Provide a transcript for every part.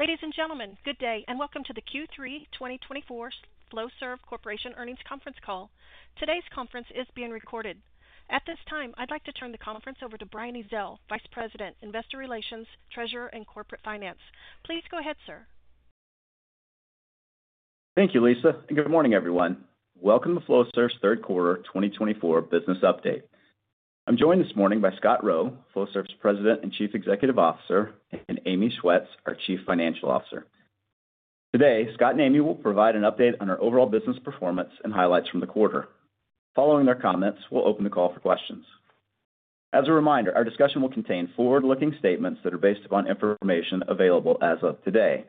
Ladies and gentlemen, good day, and welcome to the Q3 2024 Flowserve Corporation Earnings Conference Call. Today's conference is being recorded. At this time, I'd like to turn the conference over to Brian Ezzell, Vice President, Investor Relations, Treasurer, and Corporate Finance. Please go ahead, sir. Thank you, Lisa. Good morning, everyone. Welcome to Flowserve's Third Quarter 2024 Business Update. I'm joined this morning by Scott Rowe, Flowserve's President and Chief Executive Officer, and Amy Schwetz, our Chief Financial Officer. Today, Scott and Amy will provide an update on our overall business performance and highlights from the quarter. Following their comments, we'll open the call for questions. As a reminder, our discussion will contain forward-looking statements that are based upon information available as of today.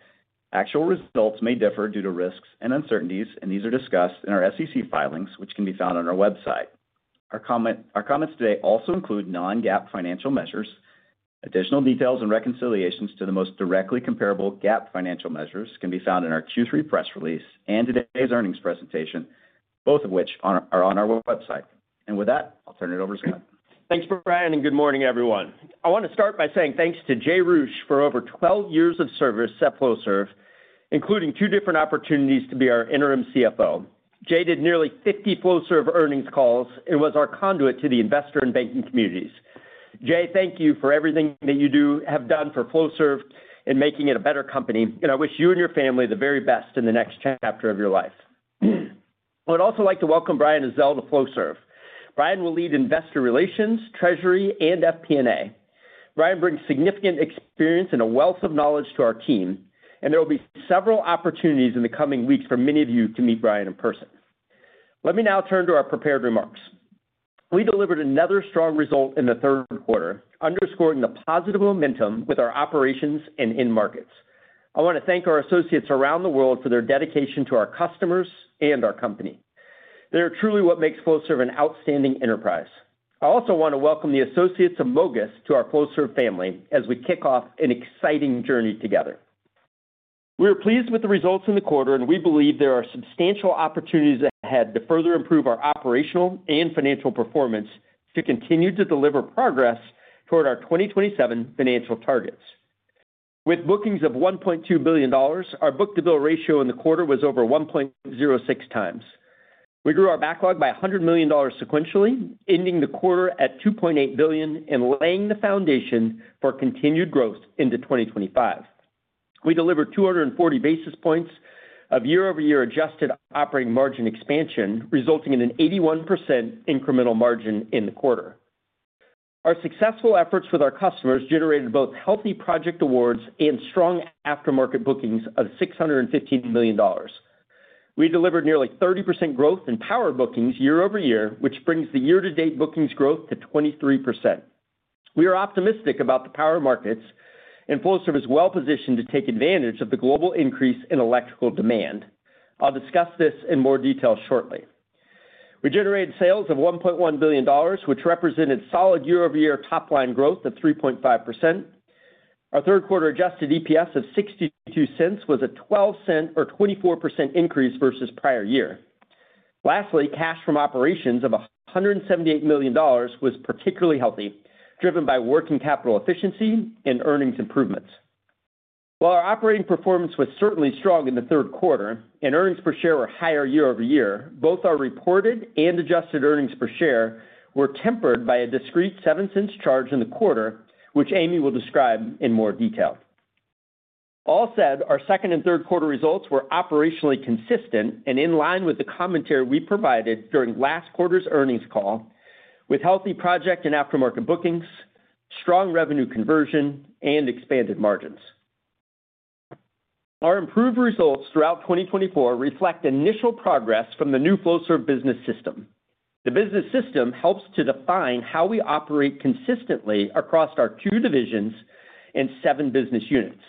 Actual results may differ due to risks and uncertainties, and these are discussed in our SEC filings, which can be found on our website. Our comments today also include non-GAAP financial measures. Additional details and reconciliations to the most directly comparable GAAP financial measures can be found in our Q3 press release and today's earnings presentation, both of which are on our website. And with that, I'll turn it over to Scott. Thanks, Brian, and good morning, everyone. I want to start by saying thanks to Jay Roueche for over 12 years of service at Flowserve, including two different opportunities to be our interim CFO. Jay did nearly 50 Flowserve earnings calls and was our conduit to the investor and banking communities. Jay, thank you for everything that you have done for Flowserve and making it a better company. And I wish you and your family the very best in the next chapter of your life. I would also like to welcome Brian Ezzell to Flowserve. Brian will lead Investor Relations, Treasury, and FP&A. Brian brings significant experience and a wealth of knowledge to our team, and there will be several opportunities in the coming weeks for many of you to meet Brian in person. Let me now turn to our prepared remarks. We delivered another strong result in the third quarter, underscoring the positive momentum with our operations and in-markets. I want to thank our associates around the world for their dedication to our customers and our company. They are truly what makes Flowserve an outstanding enterprise. I also want to welcome the associates of MOGAS to our Flowserve family as we kick off an exciting journey together. We are pleased with the results in the quarter, and we believe there are substantial opportunities ahead to further improve our operational and financial performance to continue to deliver progress toward our 2027 financial targets. With bookings of $1.2 billion, our book-to-bill ratio in the quarter was over 1.06 times. We grew our backlog by $100 million sequentially, ending the quarter at $2.8 billion and laying the foundation for continued growth into 2025. We delivered 240 basis points of year-over-year adjusted operating margin expansion, resulting in an 81% incremental margin in the quarter. Our successful efforts with our customers generated both healthy project awards and strong aftermarket bookings of $615 million. We delivered nearly 30% growth in power bookings year-over-year, which brings the year-to-date bookings growth to 23%. We are optimistic about the power markets, and Flowserve is well-positioned to take advantage of the global increase in electrical demand. I'll discuss this in more detail shortly. We generated sales of $1.1 billion, which represented solid year-over-year top-line growth of 3.5%. Our third-quarter adjusted EPS of $0.62 was a $0.12 or 24% increase versus prior year. Lastly, cash from operations of $178 million was particularly healthy, driven by working capital efficiency and earnings improvements. While our operating performance was certainly strong in the third quarter and earnings per share were higher year-over-year, both our reported and adjusted earnings per share were tempered by a discrete $0.07 charge in the quarter, which Amy will describe in more detail. All said, our second and third quarter results were operationally consistent and in line with the commentary we provided during last quarter's earnings call, with healthy project and aftermarket bookings, strong revenue conversion, and expanded margins. Our improved results throughout 2024 reflect initial progress from the new Flowserve Business System. The Business System helps to define how we operate consistently across our two divisions and seven business units.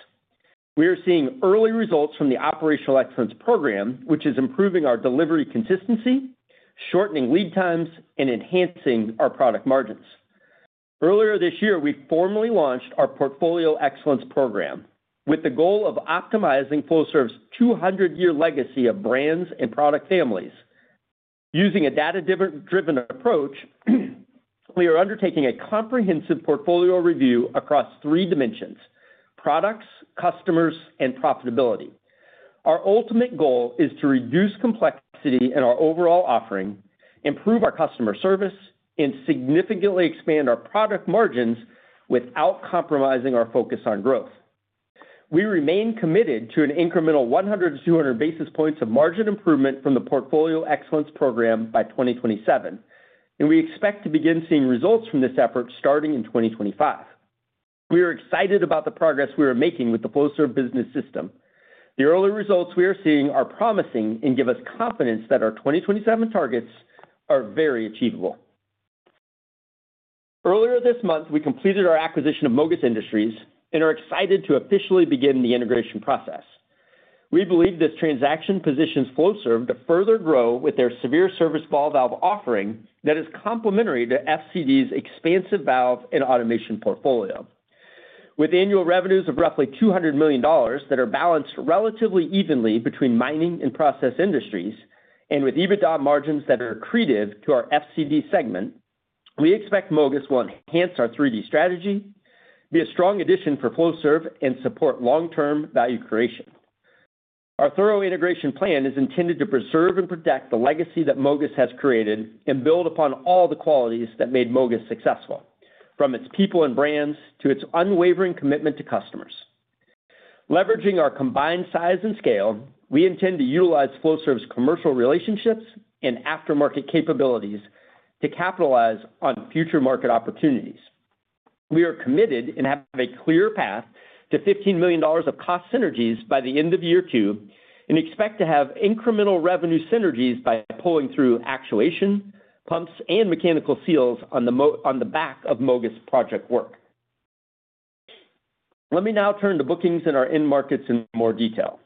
We are seeing early results from the Operational Excellence Program, which is improving our delivery consistency, shortening lead times, and enhancing our product margins. Earlier this year, we formally launched our Portfolio Excellence Program, with the goal of optimizing Flowserve's 200-year legacy of brands and product families. Using a data-driven approach, we are undertaking a comprehensive portfolio review across three dimensions: products, customers, and profitability. Our ultimate goal is to reduce complexity in our overall offering, improve our customer service, and significantly expand our product margins without compromising our focus on growth. We remain committed to an incremental 100 to 200 basis points of margin improvement from the Portfolio Excellence Program by 2027, and we expect to begin seeing results from this effort starting in 2025. We are excited about the progress we are making with the Flowserve Business System. The early results we are seeing are promising and give us confidence that our 2027 targets are very achievable. Earlier this month, we completed our acquisition of MOGAS Industries and are excited to officially begin the integration process. We believe this transaction positions Flowserve to further grow with their severe service ball valve offering that is complementary to FCD's expansive valve and automation portfolio. With annual revenues of roughly $200 million that are balanced relatively evenly between mining and process industries, and with EBITDA margins that are accretive to our FCD segment, we expect MOGAS will enhance our 3D strategy, be a strong addition for Flowserve, and support long-term value creation. Our thorough integration plan is intended to preserve and protect the legacy that MOGAS has created and build upon all the qualities that made MOGAS successful, from its people and brands to its unwavering commitment to customers. Leveraging our combined size and scale, we intend to utilize Flowserve's commercial relationships and aftermarket capabilities to capitalize on future market opportunities. We are committed and have a clear path to $15 million of cost synergies by the end of year two and expect to have incremental revenue synergies by pulling through actuation, pumps, and mechanical seals on the back of MOGAS project work. Let me now turn to bookings and our in-markets in more detail.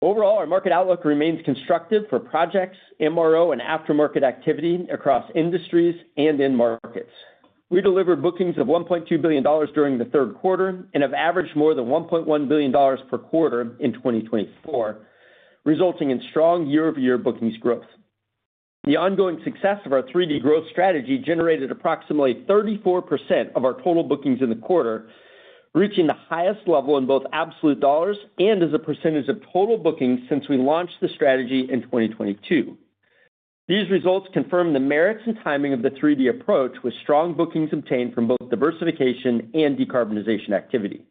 Overall, our market outlook remains constructive for projects, MRO, and aftermarket activity across industries and in-markets. We delivered bookings of $1.2 billion during the third quarter and have averaged more than $1.1 billion per quarter in 2024, resulting in strong year-over-year bookings growth. The ongoing success of our 3D growth strategy generated approximately 34% of our total bookings in the quarter, reaching the highest level in both absolute dollars and as a percentage of total bookings since we launched the strategy in 2022. These results confirm the merits and timing of the 3D approach, with strong bookings obtained from both diversification and decarbonization activity.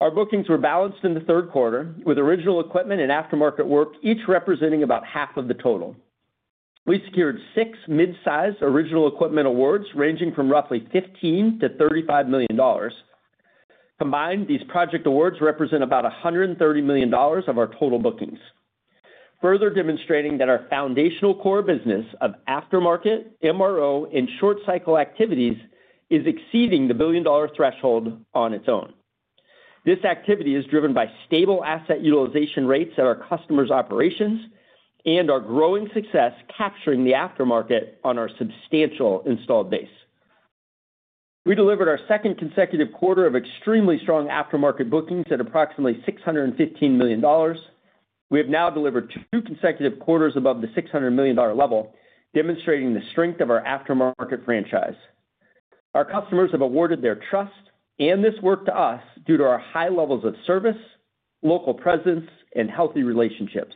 Our bookings were balanced in the third quarter, with original equipment and aftermarket work each representing about half of the total. We secured six mid-size original equipment awards ranging from roughly $15-$35 million. Combined, these project awards represent about $130 million of our total bookings, further demonstrating that our foundational core business of aftermarket, MRO, and short-cycle activities is exceeding the billion-dollar threshold on its own. This activity is driven by stable asset utilization rates at our customers' operations and our growing success capturing the aftermarket on our substantial installed base. We delivered our second consecutive quarter of extremely strong aftermarket bookings at approximately $615 million. We have now delivered two consecutive quarters above the $600 million level, demonstrating the strength of our aftermarket franchise. Our customers have awarded their trust and this work to us due to our high levels of service, local presence, and healthy relationships.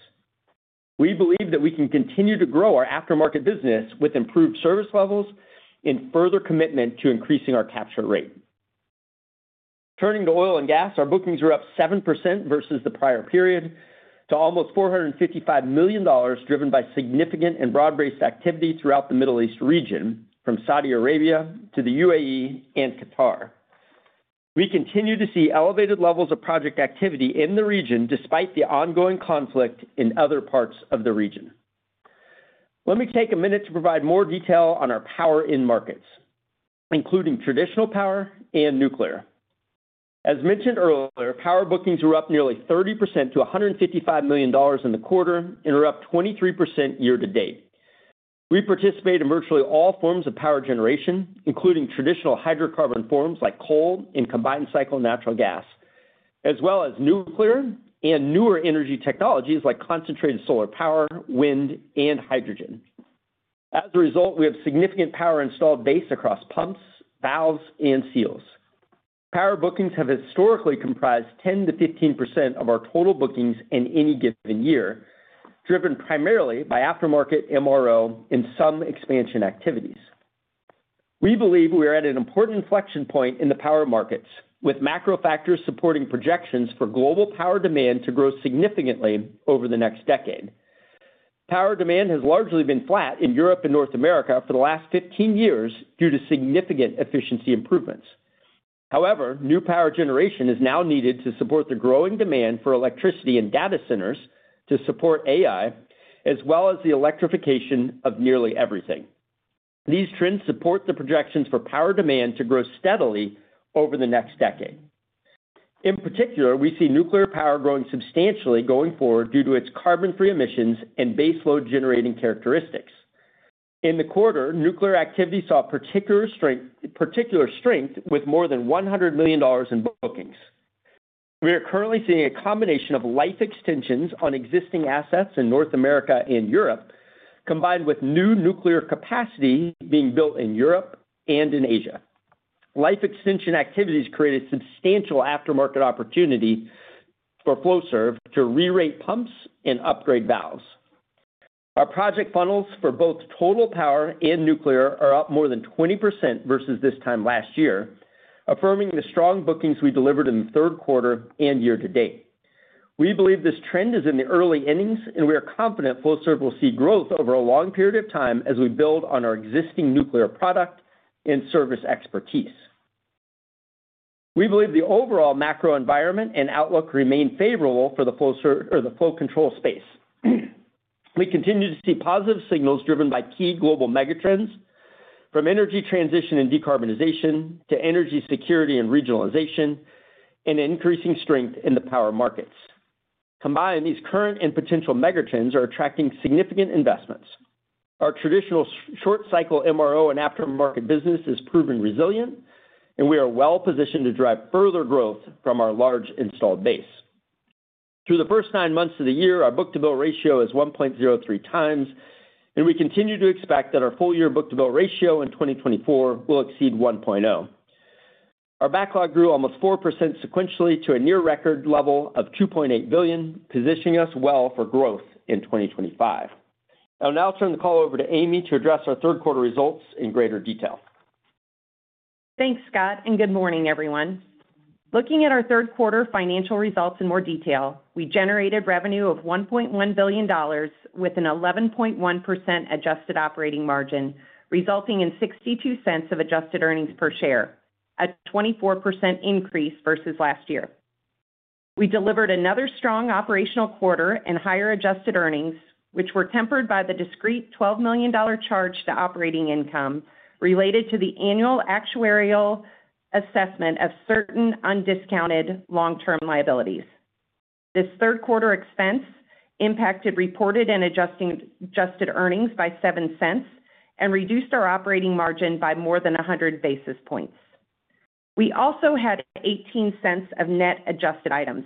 We believe that we can continue to grow our aftermarket business with improved service levels and further commitment to increasing our capture rate. Turning to oil and gas, our bookings were up 7% versus the prior period to almost $455 million, driven by significant and broad-based activity throughout the Middle East region, from Saudi Arabia to the UAE and Qatar. We continue to see elevated levels of project activity in the region despite the ongoing conflict in other parts of the region. Let me take a minute to provide more detail on our power in-markets, including traditional power and nuclear. As mentioned earlier, power bookings were up nearly 30% to $155 million in the quarter and are up 23% year-to-date. We participate in virtually all forms of power generation, including traditional hydrocarbon forms like coal and combined cycle natural gas, as well as nuclear and newer energy technologies like concentrated solar power, wind, and hydrogen. As a result, we have significant power installed base across pumps, valves, and seals. Power bookings have historically comprised 10%-15% of our total bookings in any given year, driven primarily by aftermarket, MRO, and some expansion activities. We believe we are at an important inflection point in the power markets, with macro factors supporting projections for global power demand to grow significantly over the next decade. Power demand has largely been flat in Europe and North America for the last 15 years due to significant efficiency improvements. However, new power generation is now needed to support the growing demand for electricity in data centers to support AI, as well as the electrification of nearly everything. These trends support the projections for power demand to grow steadily over the next decade. In particular, we see nuclear power growing substantially going forward due to its carbon-free emissions and baseload-generating characteristics. In the quarter, nuclear activity saw particular strength with more than $100 million in bookings. We are currently seeing a combination of life extensions on existing assets in North America and Europe, combined with new nuclear capacity being built in Europe and in Asia. Life extension activities created substantial aftermarket opportunity for Flowserve to re-rate pumps and upgrade valves. Our project funnels for both total power and nuclear are up more than 20% versus this time last year, affirming the strong bookings we delivered in the third quarter and year-to-date. We believe this trend is in the early innings, and we are confident Flowserve will see growth over a long period of time as we build on our existing nuclear product and service expertise. We believe the overall macro environment and outlook remain favorable for the flow control space. We continue to see positive signals driven by key global megatrends, from energy transition and decarbonization to energy security and regionalization, and increasing strength in the power markets. Combined, these current and potential megatrends are attracting significant investments. Our traditional short-cycle MRO and aftermarket business is proven resilient, and we are well-positioned to drive further growth from our large installed base. Through the first nine months of the year, our book-to-bill ratio is 1.03 times, and we continue to expect that our full-year book-to-bill ratio in 2024 will exceed 1.0. Our backlog grew almost 4% sequentially to a near-record level of $2.8 billion, positioning us well for growth in 2025. I'll now turn the call over to Amy to address our third-quarter results in greater detail. Thanks, Scott, and good morning, everyone. Looking at our third-quarter financial results in more detail, we generated revenue of $1.1 billion with an 11.1% adjusted operating margin, resulting in $0.62 of adjusted earnings per share, a 24% increase versus last year. We delivered another strong operational quarter and higher adjusted earnings, which were tempered by the discrete $12 million charge to operating income related to the annual actuarial assessment of certain undiscounted long-term liabilities. This third-quarter expense impacted reported and adjusted earnings by $0.07 and reduced our operating margin by more than 100 basis points. We also had $0.18 of net adjusted items,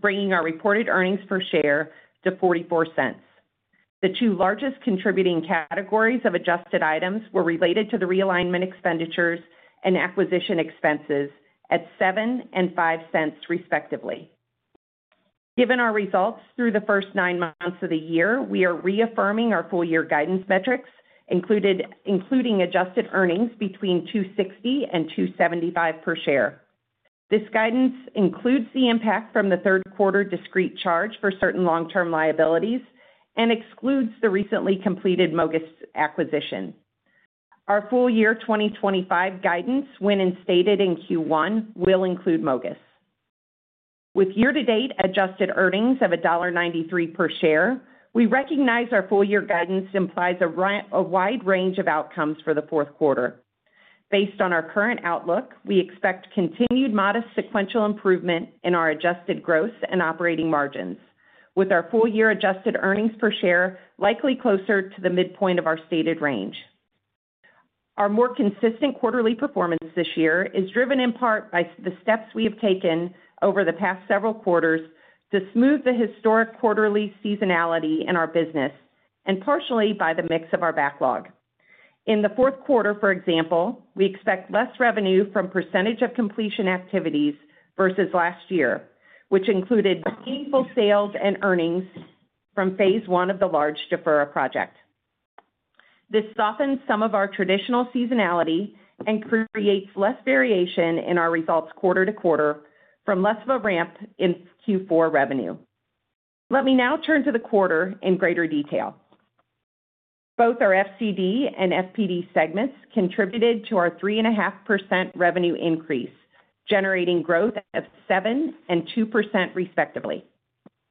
bringing our reported earnings per share to $0.44. The two largest contributing categories of adjusted items were related to the realignment expenditures and acquisition expenses at $0.07 and $0.05, respectively. Given our results through the first nine months of the year, we are reaffirming our full-year guidance metrics, including adjusted earnings between $260 and $275 per share. This guidance includes the impact from the third-quarter discrete charge for certain long-term liabilities and excludes the recently completed MOGAS acquisition. Our full-year 2025 guidance, when instated in Q1, will include MOGAS. With year-to-date adjusted earnings of $1.93 per share, we recognize our full-year guidance implies a wide range of outcomes for the fourth quarter. Based on our current outlook, we expect continued modest sequential improvement in our adjusted growth and operating margins, with our full-year adjusted earnings per share likely closer to the midpoint of our stated range. Our more consistent quarterly performance this year is driven in part by the steps we have taken over the past several quarters to smooth the historic quarterly seasonality in our business and partially by the mix of our backlog. In the fourth quarter, for example, we expect less revenue from percentage of completion activities versus last year, which included meaningful sales and earnings from phase one of the large Jafurah project. This softens some of our traditional seasonality and creates less variation in our results quarter to quarter from less of a ramp in Q4 revenue. Let me now turn to the quarter in greater detail. Both our FCD and FPD segments contributed to our 3.5% revenue increase, generating growth of 7% and 2%, respectively.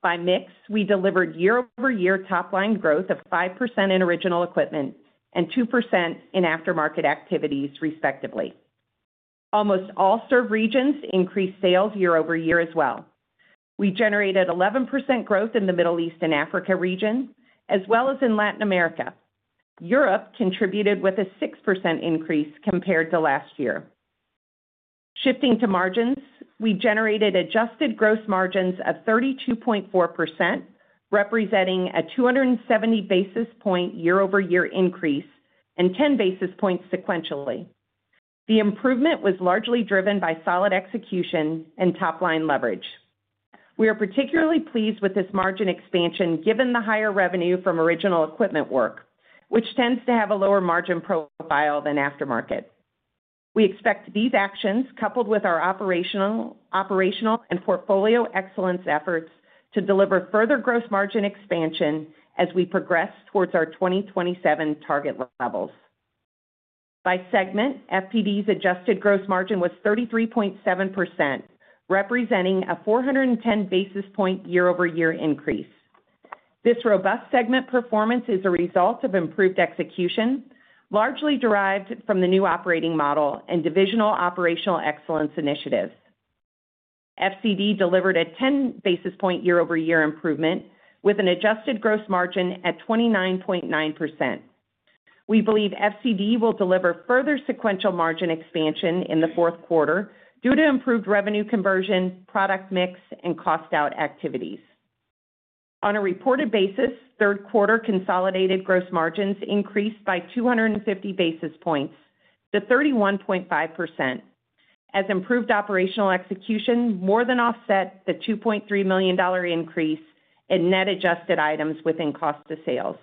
By mix, we delivered year-over-year top-line growth of 5% in original equipment and 2% in aftermarket activities, respectively. Almost all served regions increased sales year-over-year as well. We generated 11% growth in the Middle East and Africa region, as well as in Latin America. Europe contributed with a 6% increase compared to last year. Shifting to margins, we generated adjusted gross margins of 32.4%, representing a 270 basis point year-over-year increase and 10 basis points sequentially. The improvement was largely driven by solid execution and top-line leverage. We are particularly pleased with this margin expansion given the higher revenue from original equipment work, which tends to have a lower margin profile than aftermarket. We expect these actions, coupled with our operational and portfolio excellence efforts, to deliver further gross margin expansion as we progress towards our 2027 target levels. By segment, FPD's adjusted gross margin was 33.7%, representing a 410 basis point year-over-year increase. This robust segment performance is a result of improved execution, largely derived from the new operating model and divisional operational excellence initiatives. FCD delivered a 10 basis point year-over-year improvement with an adjusted gross margin at 29.9%. We believe FCD will deliver further sequential margin expansion in the fourth quarter due to improved revenue conversion, product mix, and cost-out activities. On a reported basis, third-quarter consolidated gross margins increased by 250 basis points to 31.5%, as improved operational execution more than offset the $2.3 million increase in net adjusted items within cost of sales.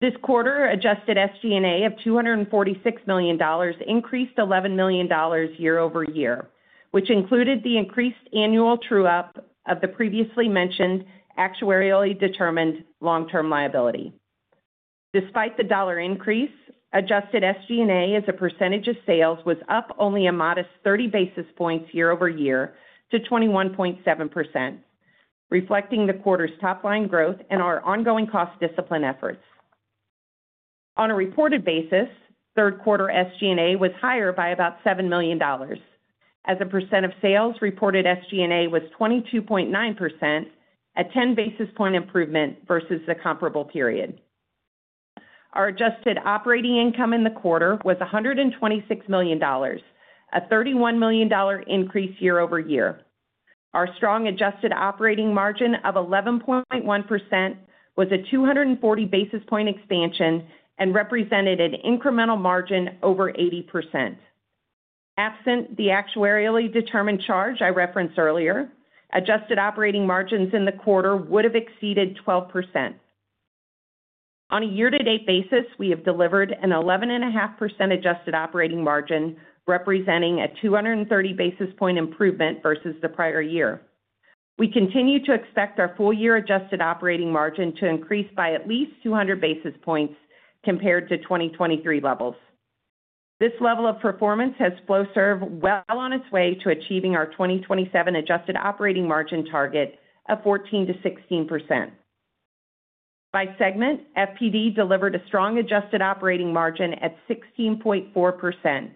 This quarter, adjusted SG&A of $246 million increased $11 million year-over-year, which included the increased annual true-up of the previously mentioned actuarially determined long-term liability. Despite the dollar increase, adjusted SG&A as a percentage of sales was up only a modest 30 basis points year-over-year to 21.7%, reflecting the quarter's top-line growth and our ongoing cost discipline efforts. On a reported basis, third-quarter SG&A was higher by about $7 million. As a percent of sales, reported SG&A was 22.9%, a 10 basis point improvement versus the comparable period. Our adjusted operating income in the quarter was $126 million, a $31 million increase year-over-year. Our strong adjusted operating margin of 11.1% was a 240 basis point expansion and represented an incremental margin over 80%. Absent the actuarially determined charge I referenced earlier, adjusted operating margins in the quarter would have exceeded 12%. On a year-to-date basis, we have delivered an 11.5% adjusted operating margin, representing a 230 basis point improvement versus the prior year. We continue to expect our full-year adjusted operating margin to increase by at least 200 basis points compared to 2023 levels. This level of performance has Flowserve well on its way to achieving our 2027 adjusted operating margin target of 14%-16%. By segment, FPD delivered a strong adjusted operating margin at 16.4%,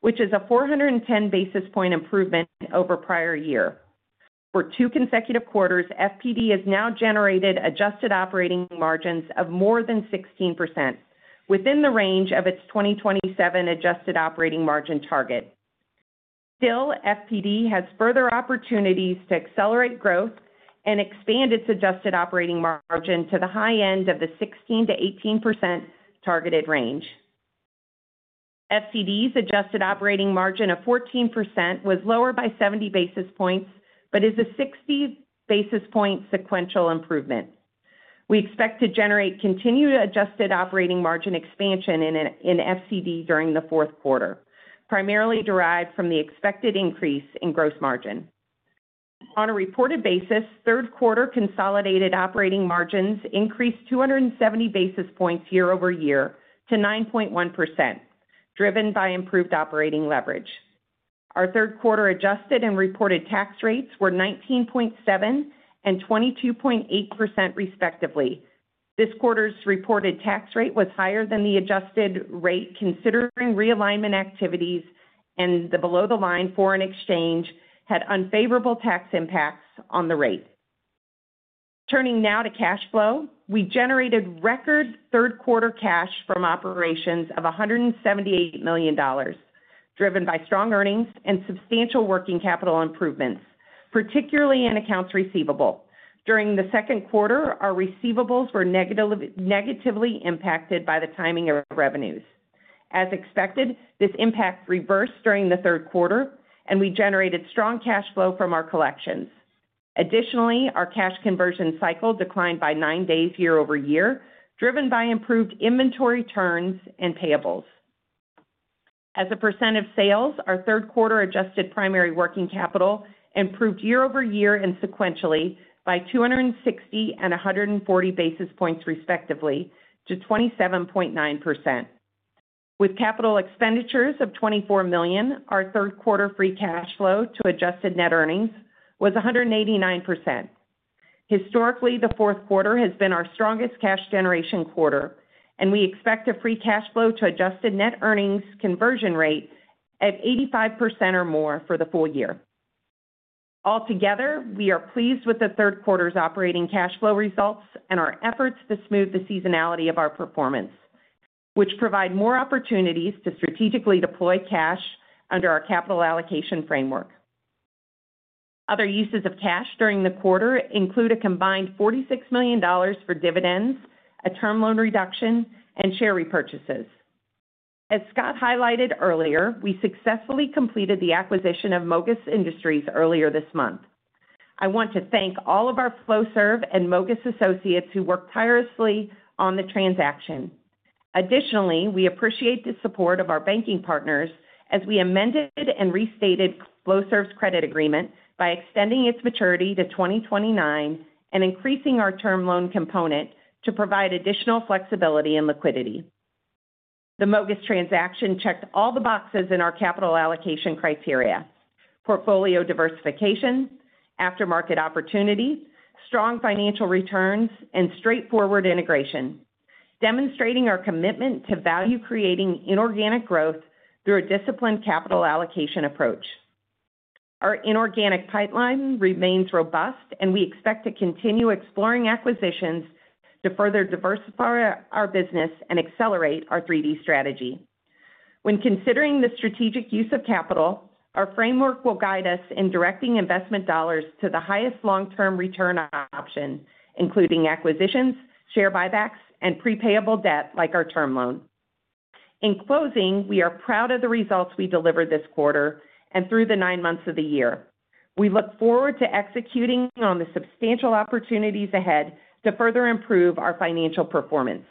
which is a 410 basis point improvement over prior year. For two consecutive quarters, FPD has now generated adjusted operating margins of more than 16%, within the range of its 2027 adjusted operating margin target. Still, FPD has further opportunities to accelerate growth and expand its adjusted operating margin to the high end of the 16%-18% targeted range. FPD's adjusted operating margin of 14% was lower by 70 basis points but is a 60 basis point sequential improvement. We expect to generate continued adjusted operating margin expansion in FCD during the fourth quarter, primarily derived from the expected increase in gross margin. On a reported basis, third-quarter consolidated operating margins increased 270 basis points year-over-year to 9.1%, driven by improved operating leverage. Our third-quarter adjusted and reported tax rates were 19.7% and 22.8%, respectively. This quarter's reported tax rate was higher than the adjusted rate, considering realignment activities and the below-the-line foreign exchange had unfavorable tax impacts on the rate. Turning now to cash flow, we generated record third-quarter cash from operations of $178 million, driven by strong earnings and substantial working capital improvements, particularly in accounts receivable. During the second quarter, our receivables were negatively impacted by the timing of revenues. As expected, this impact reversed during the third quarter, and we generated strong cash flow from our collections. Additionally, our cash conversion cycle declined by nine days year-over-year, driven by improved inventory turns and payables. As a percent of sales, our third-quarter adjusted primary working capital improved year-over-year and sequentially by 260 and 140 basis points, respectively, to 27.9%. With capital expenditures of $24 million, our third-quarter free cash flow to adjusted net earnings was 189%. Historically, the fourth quarter has been our strongest cash generation quarter, and we expect a free cash flow to adjusted net earnings conversion rate at 85% or more for the full year. Altogether, we are pleased with the third quarter's operating cash flow results and our efforts to smooth the seasonality of our performance, which provide more opportunities to strategically deploy cash under our capital allocation framework. Other uses of cash during the quarter include a combined $46 million for dividends, a term loan reduction, and share repurchases. As Scott highlighted earlier, we successfully completed the acquisition of MOGAS Industries earlier this month. I want to thank all of our Flowserve and MOGAS associates who worked tirelessly on the transaction. Additionally, we appreciate the support of our banking partners as we amended and restated Flowserve's credit agreement by extending its maturity to 2029 and increasing our term loan component to provide additional flexibility and liquidity. The MOGAS transaction checked all the boxes in our capital allocation criteria: portfolio diversification, aftermarket opportunity, strong financial returns, and straightforward integration, demonstrating our commitment to value-creating inorganic growth through a disciplined capital allocation approach. Our inorganic pipeline remains robust, and we expect to continue exploring acquisitions to further diversify our business and accelerate our 3D strategy. When considering the strategic use of capital, our framework will guide us in directing investment dollars to the highest long-term return option, including acquisitions, share buybacks, and prepayable debt like our term loan. In closing, we are proud of the results we delivered this quarter and through the nine months of the year. We look forward to executing on the substantial opportunities ahead to further improve our financial performance.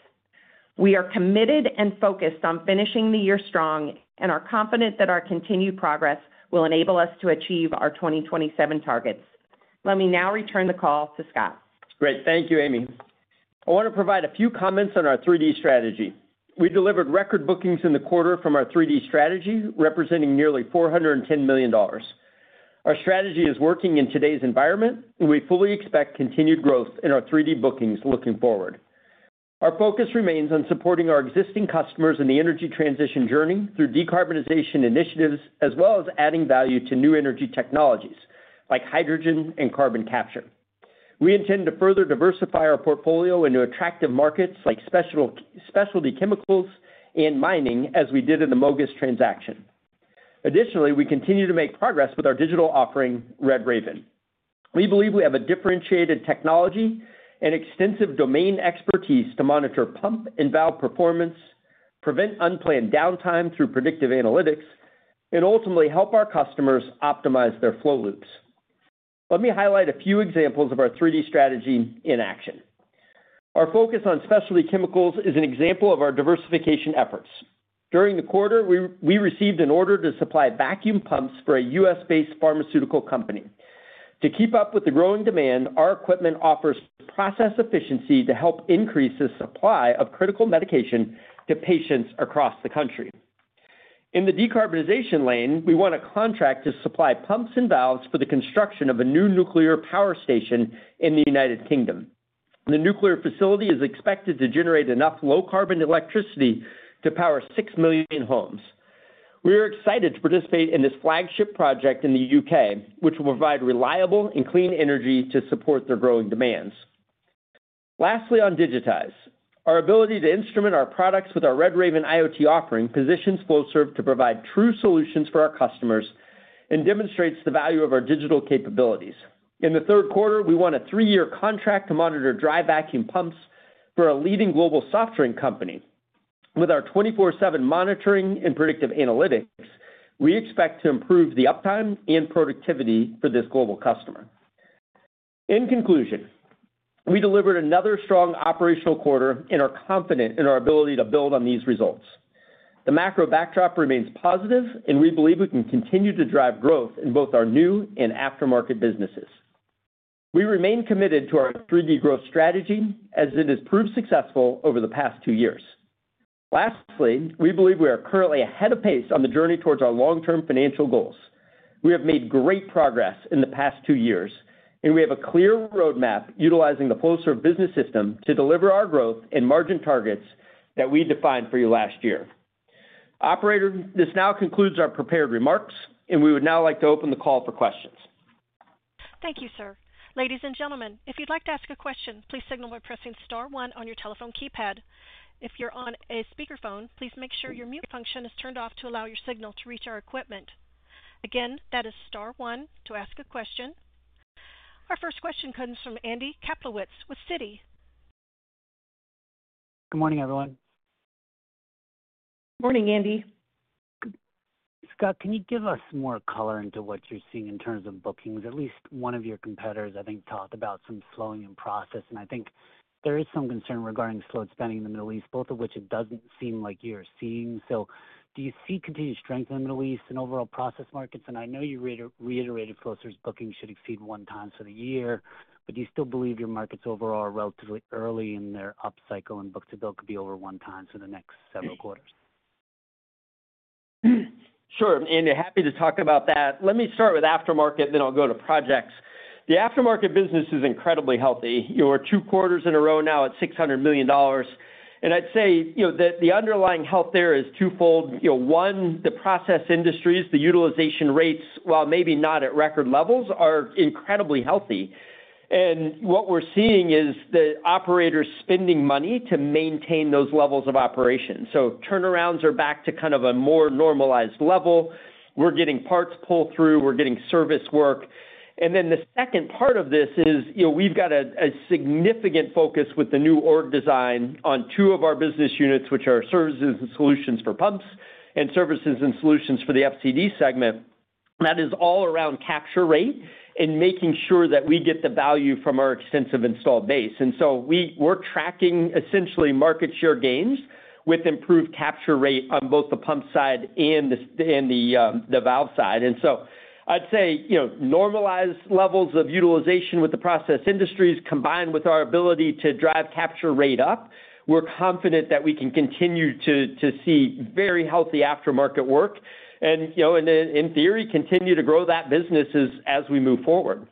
We are committed and focused on finishing the year strong and are confident that our continued progress will enable us to achieve our 2027 targets. Let me now return the call to Scott. Great. Thank you, Amy. I want to provide a few comments on our 3D Strategy. We delivered record bookings in the quarter from our 3D Strategy, representing nearly $410 million. Our strategy is working in today's environment, and we fully expect continued growth in our 3D bookings looking forward. Our focus remains on supporting our existing customers in the energy transition journey through decarbonization initiatives, as well as adding value to new energy technologies like hydrogen and carbon capture. We intend to further diversify our portfolio into attractive markets like specialty chemicals and mining, as we did in the MOGAS transaction. Additionally, we continue to make progress with our digital offering, Red Raven. We believe we have a differentiated technology and extensive domain expertise to monitor pump and valve performance, prevent unplanned downtime through predictive analytics, and ultimately help our customers optimize their flow loops. Let me highlight a few examples of our 3D strategy in action. Our focus on specialty chemicals is an example of our diversification efforts. During the quarter, we received an order to supply vacuum pumps for a U.S.-based pharmaceutical company. To keep up with the growing demand, our equipment offers process efficiency to help increase the supply of critical medication to patients across the country. In the decarbonization lane, we won a contract to supply pumps and valves for the construction of a new nuclear power station in the United Kingdom. The nuclear facility is expected to generate enough low-carbon electricity to power six million homes. We are excited to participate in this flagship project in the UK, which will provide reliable and clean energy to support their growing demands. Lastly, on digitize, our ability to instrument our products with our Red Raven IoT offering positions Flowserve to provide true solutions for our customers and demonstrates the value of our digital capabilities. In the third quarter, we won a three-year contract to monitor dry vacuum pumps for a leading global software company. With our 24/7 monitoring and predictive analytics, we expect to improve the uptime and productivity for this global customer. In conclusion, we delivered another strong operational quarter and are confident in our ability to build on these results. The macro backdrop remains positive, and we believe we can continue to drive growth in both our new and aftermarket businesses. We remain committed to our 3D Strategy, as it has proved successful over the past two years. Lastly, we believe we are currently ahead of pace on the journey towards our long-term financial goals. We have made great progress in the past two years, and we have a clear roadmap utilizing the Flowserve Business System to deliver our growth and margin targets that we defined for you last year. This now concludes our prepared remarks, and we would now like to open the call for questions. Thank you, sir. Ladies and gentlemen, if you'd like to ask a question, please signal by pressing star one on your telephone keypad. If you're on a speakerphone, please make sure your mute function is turned off to allow your signal to reach our equipment. Again, that is star one to ask a question. Our first question comes from Andrew Kaplowitz with Citi. Good morning, everyone. Morning, Andrew. Scott, can you give us more color into what you're seeing in terms of bookings? At least one of your competitors, I think, talked about some slowing in process, and I think there is some concern regarding slowed spending in the Middle East, both of which it doesn't seem like you're seeing. So do you see continued strength in the Middle East and overall process markets? And I know you reiterated Flowserve's bookings should exceed one time for the year, but do you still believe your markets overall are relatively early in their upcycle and book-to-bill could be over one time for the next several quarters? Sure, Amy. Happy to talk about that. Let me start with aftermarket, then I'll go to projects. The aftermarket business is incredibly healthy. You're two quarters in a row now at $600 million. And I'd say the underlying health there is twofold. One, the process industries, the utilization rates, while maybe not at record levels, are incredibly healthy. And what we're seeing is the operators spending money to maintain those levels of operations. So turnarounds are back to kind of a more normalized level. We're getting parts pulled through. We're getting service work. And then the second part of this is we've got a significant focus with the new org design on two of our business units, which are services and solutions for pumps and services and solutions for the FCD segment. That is all around capture rate and making sure that we get the value from our extensive installed base. And so we're tracking essentially market share gains with improved capture rate on both the pump side and the valve side. And so I'd say normalized levels of utilization with the process industries combined with our ability to drive capture rate up, we're confident that we can continue to see very healthy aftermarket work and, in theory, continue to grow that business as we move forward.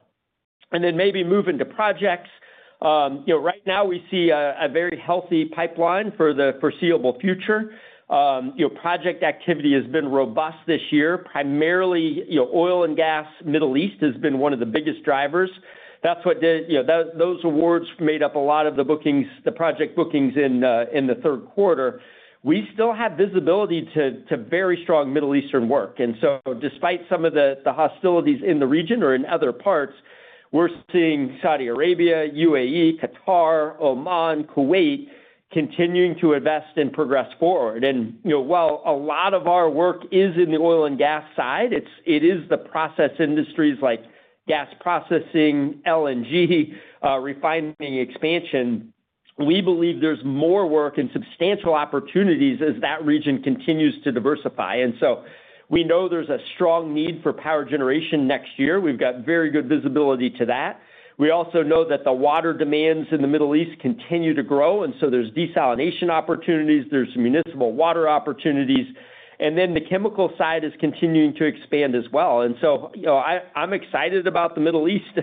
And then maybe moving to projects. Right now, we see a very healthy pipeline for the foreseeable future. Project activity has been robust this year, primarily oil and gas. Middle East has been one of the biggest drivers. That's what those awards made up a lot of the project bookings in the third quarter. We still have visibility to very strong Middle Eastern work. And so despite some of the hostilities in the region or in other parts, we're seeing Saudi Arabia, UAE, Qatar, Oman, Kuwait continuing to invest and progress forward. And while a lot of our work is in the oil and gas side, it is the process industries like gas processing, LNG, refining expansion. We believe there's more work and substantial opportunities as that region continues to diversify. And so we know there's a strong need for power generation next year. We've got very good visibility to that. We also know that the water demands in the Middle East continue to grow. There's desalination opportunities. There's municipal water opportunities. The chemical side is continuing to expand as well. I'm excited about the Middle East.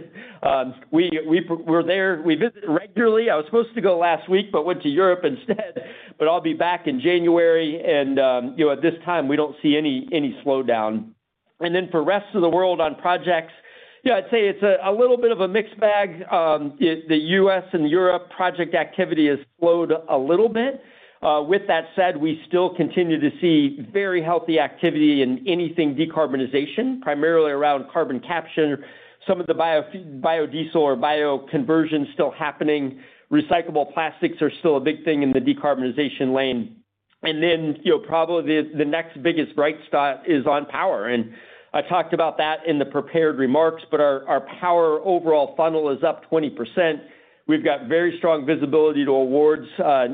We're there. We visit regularly. I was supposed to go last week but went to Europe instead. I'll be back in January. At this time, we don't see any slowdown. For the rest of the world on projects, I'd say it's a little bit of a mixed bag. The U.S. and Europe project activity has slowed a little bit. With that said, we still continue to see very healthy activity in anything decarbonization, primarily around carbon capture, some of the biodiesel or bioconversion still happening. Recyclable plastics are still a big thing in the decarbonization lane. Probably the next biggest bright spot is on power. I talked about that in the prepared remarks, but our power overall funnel is up 20%. We've got very strong visibility to awards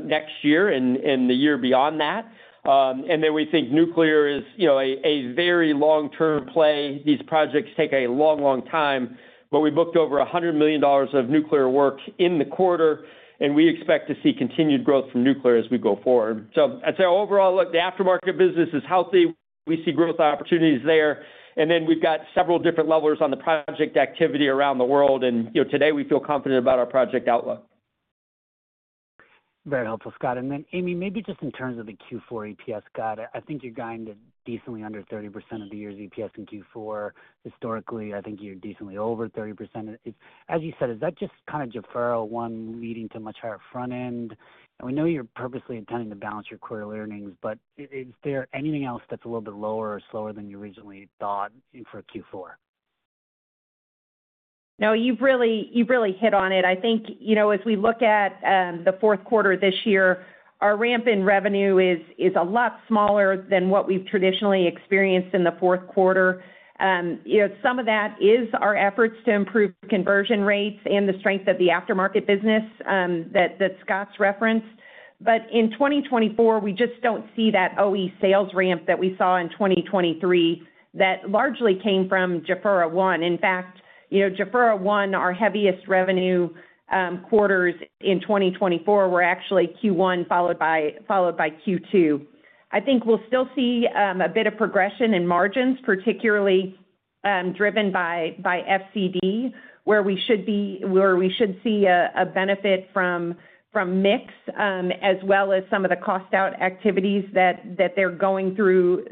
next year and the year beyond that. And then we think nuclear is a very long-term play. These projects take a long, long time. But we booked over $100 million of nuclear work in the quarter, and we expect to see continued growth from nuclear as we go forward. So I'd say overall, the aftermarket business is healthy. We see growth opportunities there. And then we've got several different levels on the project activity around the world. And today, we feel confident about our project outlook. Very helpful, Scott. And then, Amy, maybe just in terms of the Q4 EPS, Scott, I think you're going to decently under 30% of the year's EPS in Q4. Historically, I think you're decently over 30%. As you said, is that just kind of Jafurah 1 leading to much higher front end? And we know you're purposely intending to balance your quarterly earnings, but is there anything else that's a little bit lower or slower than you originally thought for Q4? No, you've really hit on it. I think as we look at the fourth quarter this year, our ramp in revenue is a lot smaller than what we've traditionally experienced in the fourth quarter. Some of that is our efforts to improve conversion rates and the strength of the aftermarket business that Scott's referenced. But in 2024, we just don't see that OE sales ramp that we saw in 2023 that largely came from Jafurah 1. In fact, Jafurah 1, our heaviest revenue quarters in 2024 were actually Q1 followed by Q2. I think we'll still see a bit of progression in margins, particularly driven by FCD, where we should see a benefit from mix as well as some of the cost-out activities that they're going through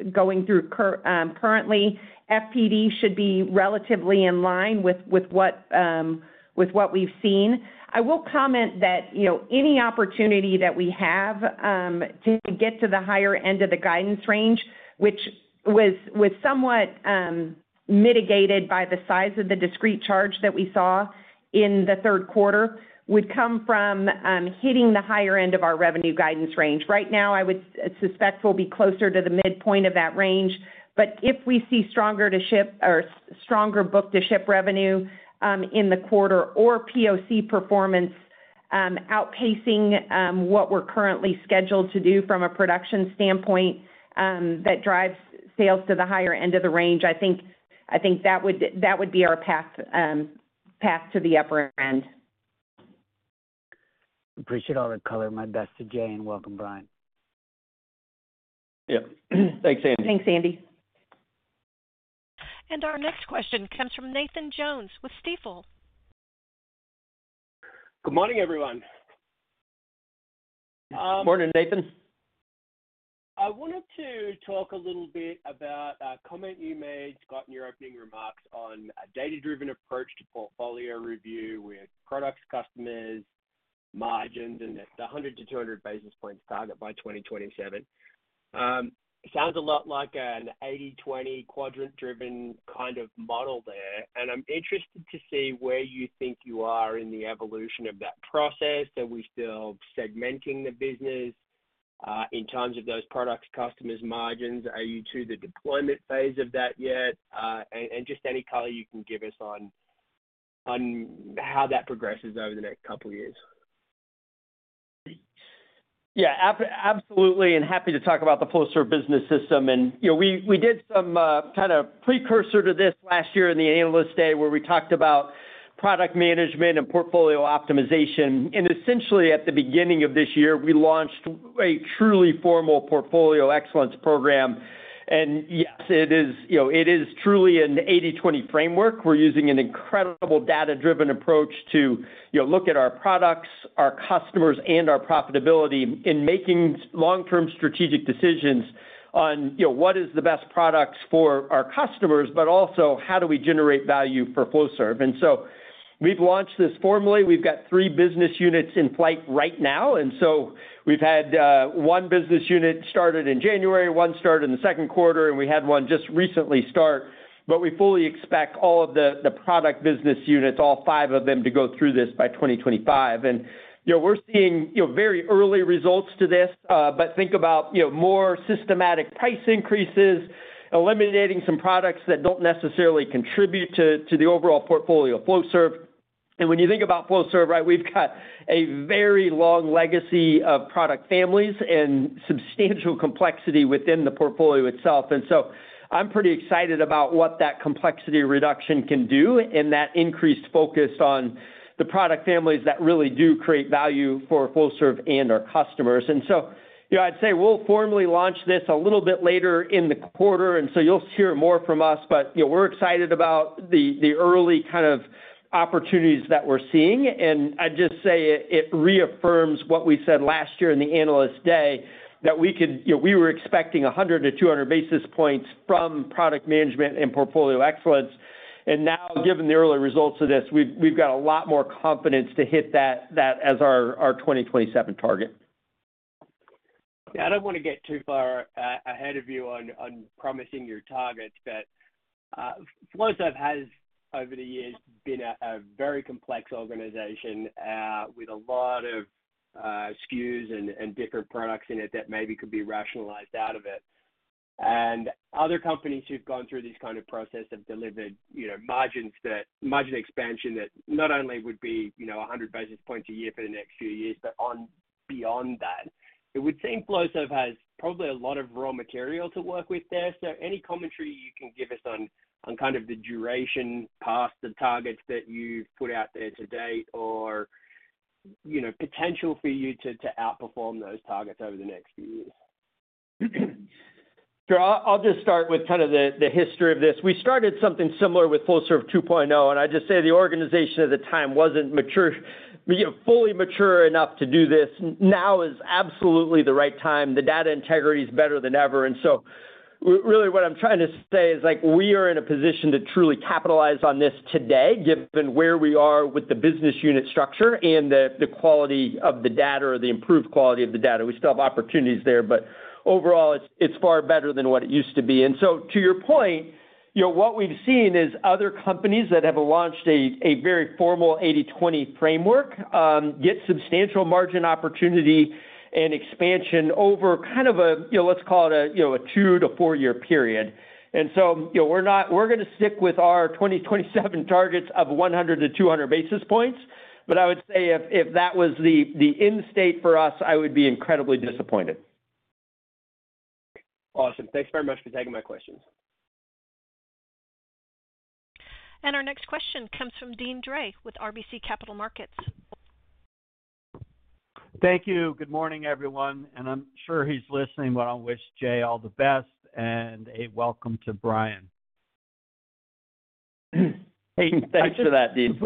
currently. FPD should be relatively in line with what we've seen. I will comment that any opportunity that we have to get to the higher end of the guidance range, which was somewhat mitigated by the size of the discrete charge that we saw in the third quarter, would come from hitting the higher end of our revenue guidance range. Right now, I would suspect we'll be closer to the midpoint of that range. But if we see stronger book-to-bill revenue in the quarter or POC performance outpacing what we're currently scheduled to do from a production standpoint that drives sales to the higher end of the range, I think that would be our path to the upper end. Appreciate all the color. My best to Jay and welcome, Brian. Yep. Thanks, Andrew. Thanks, Andrew. And our next question comes from Nathan Jones with Stifel. Good morning, everyone. Good morning, Nathan. I wanted to talk a little bit about a comment you made, Scott, in your opening remarks on a data-driven approach to portfolio review with products, customers, margins, and the 100-200 basis points target by 2027. Sounds a lot like an 80/20 quadrant-driven kind of model there. And I'm interested to see where you think you are in the evolution of that process. Are we still segmenting the business in terms of those products, customers, margins? Are you to the deployment phase of that yet? And just any color you can give us on how that progresses over the next couple of years. Yeah, absolutely. And happy to talk about the Flowserve Business System. And we did some kind of precursor to this last year in the analyst day where we talked about product management and portfolio optimization. And essentially, at the beginning of this year, we launched a truly formal Portfolio Excellence Program. And yes, it is truly an 80/20 Framework. We're using an incredible data-driven approach to look at our products, our customers, and our profitability in making long-term strategic decisions on what is the best products for our customers, but also how do we generate value for Flowserve. And so we've launched this formally. We've got three business units in flight right now. And so we've had one business unit started in January, one started in the second quarter, and we had one just recently start. But we fully expect all of the product business units, all five of them, to go through this by 2025. And we're seeing very early results to this. But think about more systematic price increases, eliminating some products that don't necessarily contribute to the overall portfolio of Flowserve. And when you think about Flowserve, right, we've got a very long legacy of product families and substantial complexity within the portfolio itself. And so I'm pretty excited about what that complexity reduction can do and that increased focus on the product families that really do create value for Flowserve and our customers. And so I'd say we'll formally launch this a little bit later in the quarter. And so you'll hear more from us. But we're excited about the early kind of opportunities that we're seeing. And I'd just say it reaffirms what we said last year in the analyst day that we were expecting 100 to 200 basis points from product management and portfolio excellence. And now, given the early results of this, we've got a lot more confidence to hit that as our 2027 target. Yeah, I don't want to get too far ahead of you on promising your targets that Flowserve has. Over the years, been a very complex organization with a lot of SKUs and different products in it that maybe could be rationalized out of it. And other companies who've gone through this kind of process have delivered margin expansion that not only would be 100 basis points a year for the next few years, but beyond that. It would seem Flowserve has probably a lot of raw material to work with there, so any commentary you can give us on kind of the duration past the targets that you've put out there to date or potential for you to outperform those targets over the next few years? Sure. I'll just start with kind of the history of this. We started something similar with Flowserve 2.0, and I just say the organization at the time wasn't fully mature enough to do this. Now is absolutely the right time. The data integrity is better than ever, and so really, what I'm trying to say is we are in a position to truly capitalize on this today, given where we are with the business unit structure and the quality of the data or the improved quality of the data. We still have opportunities there. But overall, it's far better than what it used to be. And so to your point, what we've seen is other companies that have launched a very formal 80/20 Framework get substantial margin opportunity and expansion over kind of a, let's call it a two to four-year period. And so we're going to stick with our 2027 targets of 100 to 200 basis points. But I would say if that was the end state for us, I would be incredibly disappointed. Awesome. Thanks very much for taking my questions. And our next question comes from Deane Dray with RBC Capital Markets. Thank you. Good morning, everyone. And I'm sure he's listening, but I'll wish Jay all the best. And a welcome to Brian. Hey, thanks for that, Dean.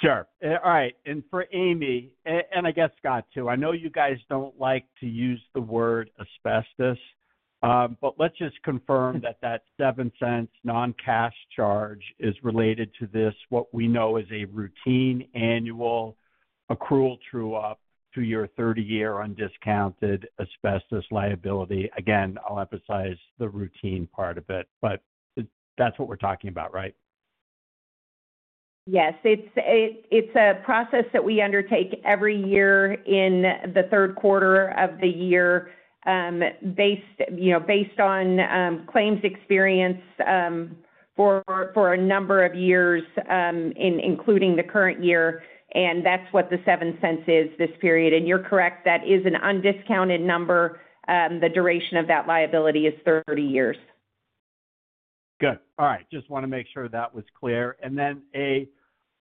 Sure. All right. For Amy and I guess Scott too, I know you guys don't like to use the word asbestos, but let's just confirm that that $0.07 non-cash charge is related to this, what we know as a routine annual accrual true-up to your 30-year undiscounted asbestos liability. Again, I'll emphasize the routine part of it, but that's what we're talking about, right? Yes. It's a process that we undertake every year in the third quarter of the year based on claims experience for a number of years, including the current year. And that's what the $0.07 is this period. And you're correct. That is an undiscounted number. The duration of that liability is 30 years. Good. All right. Just want to make sure that was clear. And then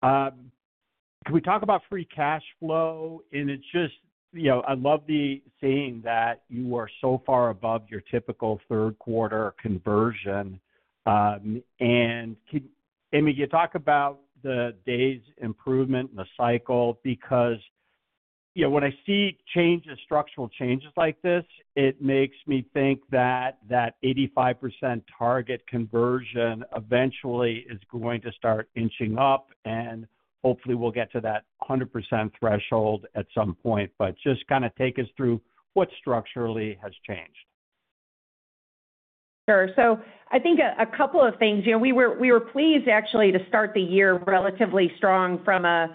can we talk about free cash flow? I love the saying that you are so far above your typical third quarter conversion. Amy, you talk about the day's improvement in the cycle because when I see structural changes like this, it makes me think that that 85% target conversion eventually is going to start inching up. And hopefully, we'll get to that 100% threshold at some point. Just kind of take us through what structurally has changed. Sure. I think a couple of things. We were pleased, actually, to start the year relatively strong from a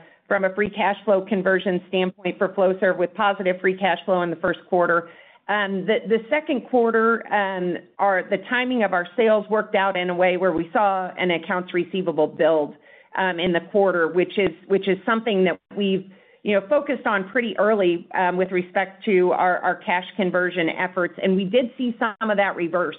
free cash flow conversion standpoint for Flowserve with positive free cash flow in the first quarter. The second quarter, the timing of our sales worked out in a way where we saw an accounts receivable build in the quarter, which is something that we've focused on pretty early with respect to our cash conversion efforts. We did see some of that reverse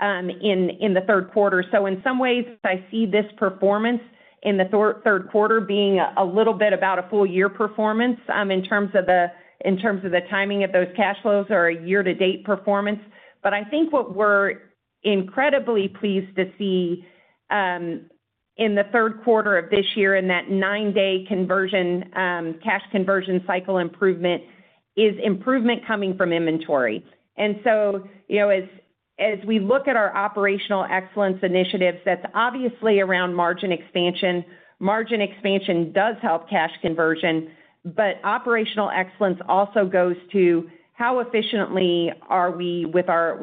in the third quarter. In some ways, I see this performance in the third quarter being a little bit about a full-year performance in terms of the timing of those cash flows or a year-to-date performance. I think what we're incredibly pleased to see in the third quarter of this year in that nine-day cash conversion cycle improvement is improvement coming from inventory. As we look at our operational excellence initiatives, that's obviously around margin expansion. Margin expansion does help cash conversion. Operational excellence also goes to how efficiently are we with our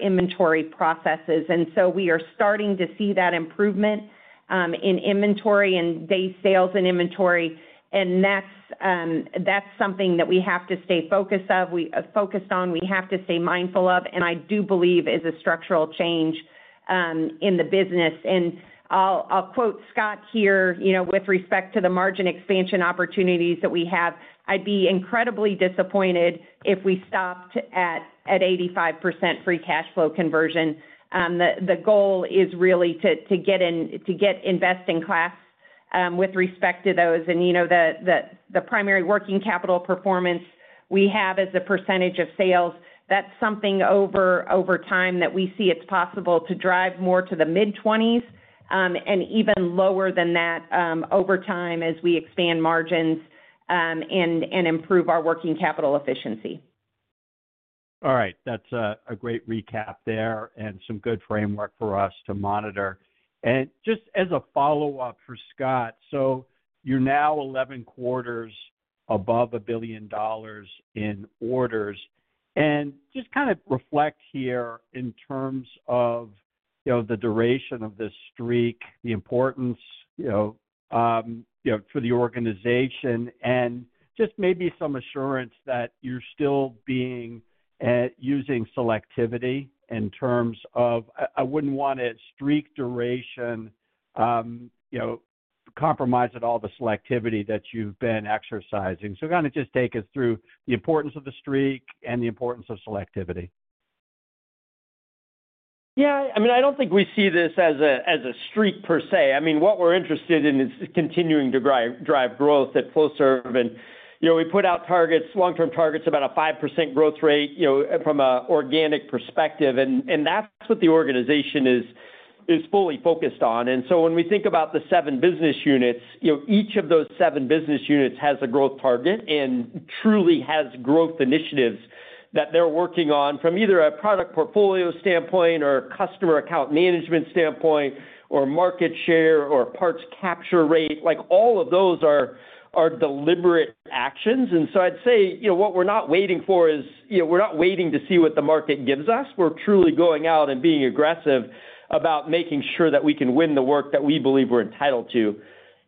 inventory processes. We are starting to see that improvement in inventory and days sales in inventory. That's something that we have to stay focused on. We have to stay mindful of, and I do believe it is a structural change in the business. And I'll quote Scott here with respect to the margin expansion opportunities that we have. I'd be incredibly disappointed if we stopped at 85% free cash flow conversion. The goal is really to get investment grade with respect to those. And the primary working capital performance we have as a percentage of sales, that's something over time that we see it's possible to drive more to the mid-20s and even lower than that over time as we expand margins and improve our working capital efficiency. All right. That's a great recap there and some good framework for us to monitor. And just as a follow-up for Scott, so you're now 11 quarters above $1 billion in orders. And just kind of reflect here in terms of the duration of this streak, the importance for the organization, and just maybe some assurance that you're still using selectivity in terms of. I wouldn't want a streak duration compromise at all the selectivity that you've been exercising. So kind of just take us through the importance of the streak and the importance of selectivity. Yeah. I mean, I don't think we see this as a streak per se. I mean, what we're interested in is continuing to drive growth at Flowserve. And we put out long-term targets about a 5% growth rate from an organic perspective. And that's what the organization is fully focused on. When we think about the seven business units, each of those seven business units has a growth target and truly has growth initiatives that they're working on from either a product portfolio standpoint or a customer account management standpoint or market share or parts capture rate. All of those are deliberate actions. I'd say what we're not waiting for is we're not waiting to see what the market gives us. We're truly going out and being aggressive about making sure that we can win the work that we believe we're entitled to.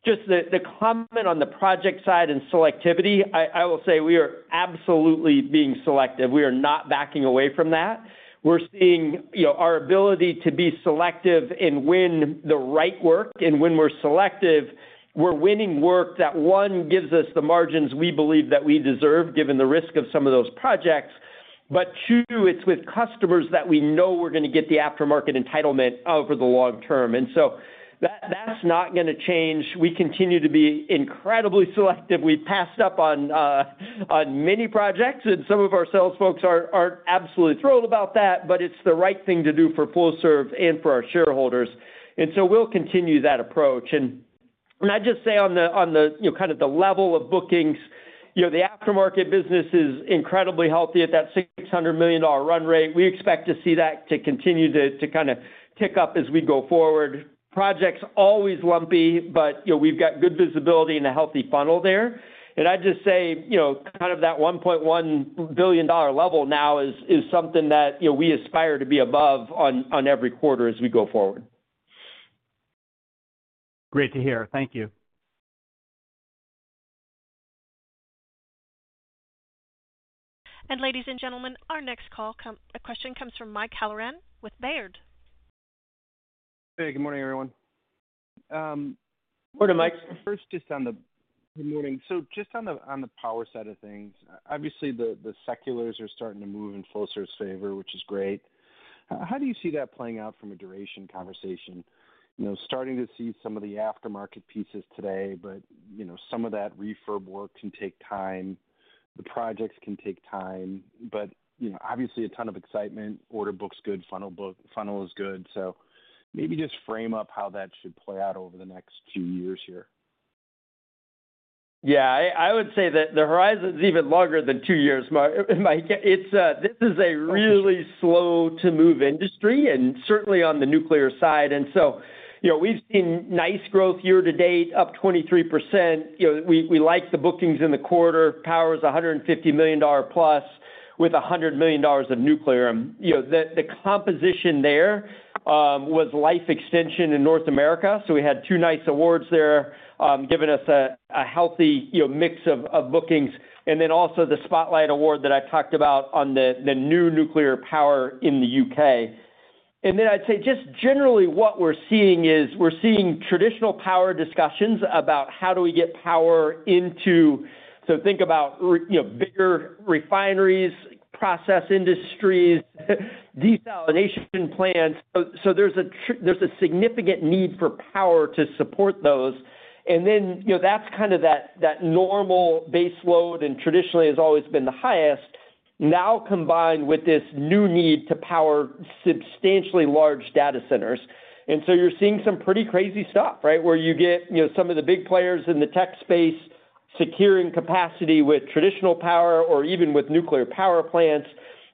Just the comment on the project side and selectivity, I will say we are absolutely being selective. We are not backing away from that. We're seeing our ability to be selective and win the right work. And when we're selective, we're winning work that, one, gives us the margins we believe that we deserve given the risk of some of those projects. But two, it's with customers that we know we're going to get the aftermarket entitlement over the long term. And so that's not going to change. We continue to be incredibly selective. We've passed up on many projects. And some of our sales folks aren't absolutely thrilled about that. But it's the right thing to do for Flowserve and for our shareholders. And so we'll continue that approach. And I'd just say on kind of the level of bookings, the aftermarket business is incredibly healthy at that $600 million run rate. We expect to see that continue to kind of tick up as we go forward. Projects always lumpy, but we've got good visibility and a healthy funnel there. And I'd just say kind of that $1.1 billion level now is something that we aspire to be above on every quarter as we go forward. Great to hear. Thank you. And ladies and gentlemen, our next question comes from Michael Halloran with Baird. Hey, good morning, everyone. Morning, Mike. First, just on the good morning. So just on the power side of things, obviously, the seculars are starting to move in Flowserve's favor, which is great. How do you see that playing out from a duration conversation? Starting to see some of the aftermarket pieces today, but some of that refurb work can take time. The projects can take time. But obviously, a ton of excitement. Order book's good. Funnel is good. So maybe just frame up how that should play out over the next few years here. Yeah. I would say that the horizon is even longer than two years, Mike. This is a really slow-to-move industry, and certainly on the nuclear side. And so we've seen nice growth year to date, up 23%. We liked the bookings in the quarter. Power is $150 million plus with $100 million of nuclear. The composition there was life extension in North America. So we had two nice awards there giving us a healthy mix of bookings. And then also the spotlight award that I talked about on the new nuclear power in the U.K. And then I'd say just generally what we're seeing is we're seeing traditional power discussions about how do we get power into so think about bigger refineries, process industries, desalination plants. So there's a significant need for power to support those. And then that's kind of that normal baseload and traditionally has always been the highest, now combined with this new need to power substantially large data centers. And so you're seeing some pretty crazy stuff, right, where you get some of the big players in the tech space securing capacity with traditional power or even with nuclear power plants.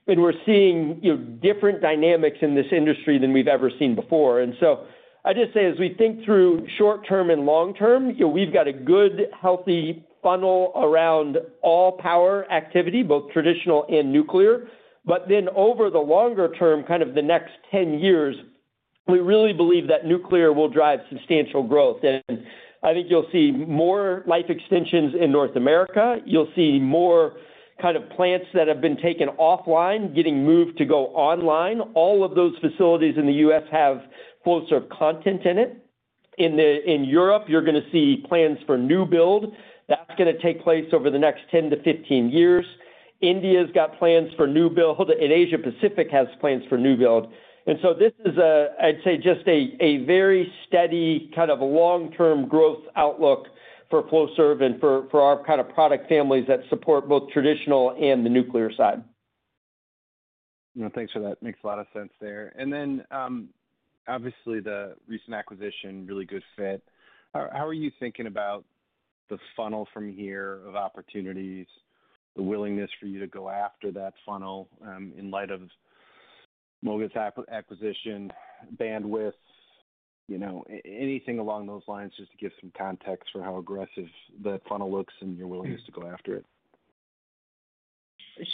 And we're seeing different dynamics in this industry than we've ever seen before. And so I just say as we think through short-term and long-term, we've got a good, healthy funnel around all power activity, both traditional and nuclear. But then over the longer term, kind of the next 10 years, we really believe that nuclear will drive substantial growth. And I think you'll see more life extensions in North America. You'll see more kind of plants that have been taken offline getting moved to go online. All of those facilities in the U.S. have Flowserve content in it. In Europe, you're going to see plans for new build. That's going to take place over the next 10-15 years. India's got plans for new build. And Asia-Pacific has plans for new build. And so this is, I'd say, just a very steady kind of long-term growth outlook for Flowserve and for our kind of product families that support both traditional and the nuclear side. Thanks for that. Makes a lot of sense there. And then obviously, the recent acquisition, really good fit. How are you thinking about the funnel from here of opportunities, the willingness for you to go after that funnel in light of MOGAS acquisition, bandwidth, anything along those lines just to give some context for how aggressive the funnel looks and your willingness to go after it?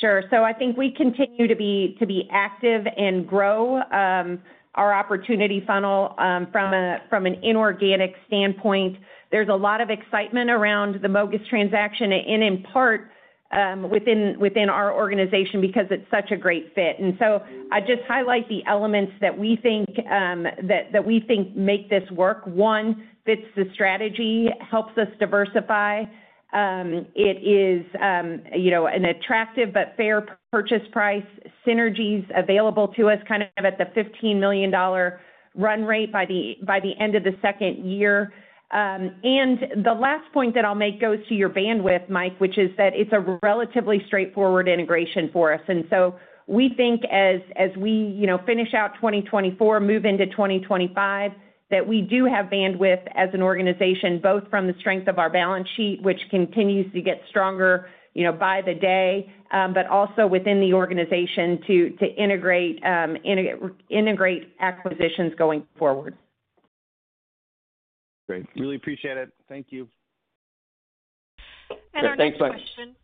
Sure. So I think we continue to be active and grow our opportunity funnel from an inorganic standpoint. There's a lot of excitement around the MOGAS transaction and in part within our organization because it's such a great fit. And so I'd just highlight the elements that we think make this work. One, fits the strategy, helps us diversify. It is an attractive but fair purchase price, synergies available to us kind of at the $15 million run rate by the end of the second year. And the last point that I'll make goes to your bandwidth, Mike, which is that it's a relatively straightforward integration for us. And so we think as we finish out 2024, move into 2025, that we do have bandwidth as an organization, both from the strength of our balance sheet, which continues to get stronger by the day, but also within the organization to integrate acquisitions going forward. Great. Really appreciate it. Thank you. And our next question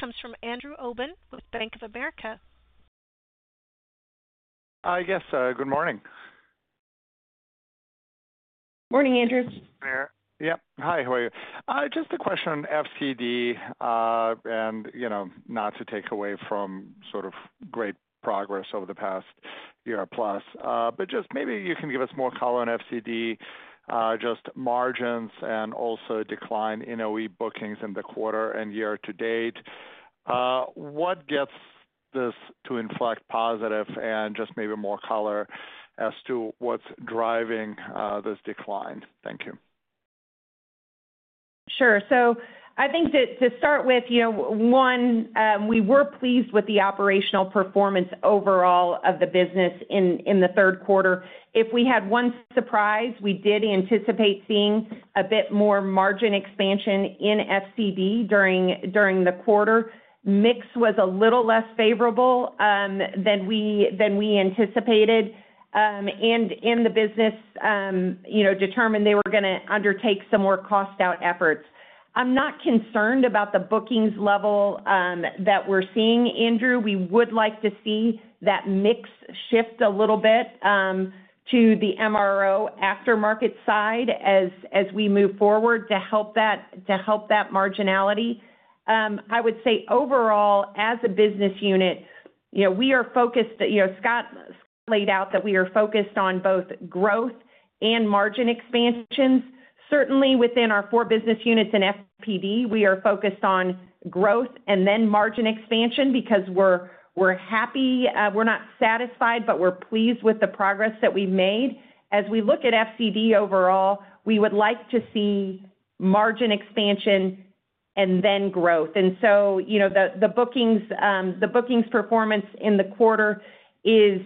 comes from Andrew Obin with Bank of America. Yes. Good morning. Morning, Andrew. Yep. Hi. How are you? Just a question on FCD and not to take away from sort of great progress over the past year or plus. But just maybe you can give us more color on FCD, just margins and also decline in OE bookings in the quarter and year to date. What gets this to inflect positive and just maybe more color as to what's driving this decline? Thank you. Sure. I think to start with, one, we were pleased with the operational performance overall of the business in the third quarter. If we had one surprise, we did anticipate seeing a bit more margin expansion in FCD during the quarter. Mix was a little less favorable than we anticipated. And the business determined they were going to undertake some more cost-out efforts. I'm not concerned about the bookings level that we're seeing, Andrew. We would like to see that mix shift a little bit to the MRO aftermarket side as we move forward to help that marginality. I would say overall, as a business unit, we are focused. Scott laid out that we are focused on both growth and margin expansions. Certainly, within our four business units in FPD, we are focused on growth and then margin expansion because we're happy. We're not satisfied, but we're pleased with the progress that we've made. As we look at FCD overall, we would like to see margin expansion and then growth. And so the bookings performance in the quarter is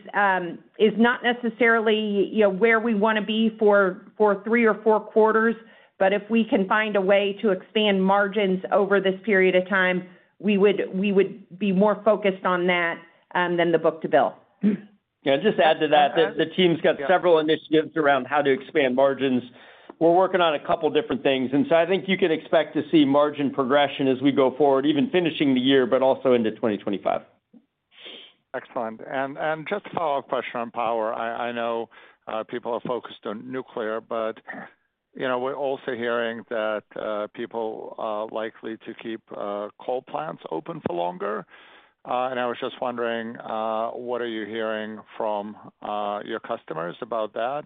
not necessarily where we want to be for three or four quarters. But if we can find a way to expand margins over this period of time, we would be more focused on that than the book-to-bill. Yeah. Just add to that. The team's got several initiatives around how to expand margins. We're working on a couple of different things. And so I think you can expect to see margin progression as we go forward, even finishing the year, but also into 2025. Excellent. And just a follow-up question on power. I know people are focused on nuclear, but we're also hearing that people are likely to keep coal plants open for longer. And I was just wondering, what are you hearing from your customers about that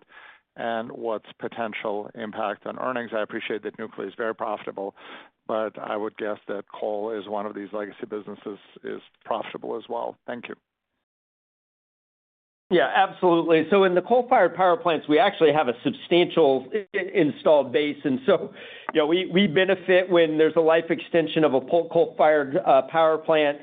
and what's potential impact on earnings? I appreciate that nuclear is very profitable, but I would guess that coal is one of these legacy businesses that is profitable as well. Thank you. Yeah. Absolutely, so in the coal-fired power plants, we actually have a substantial installed base. And so we benefit when there's a life extension of a coal-fired power plant.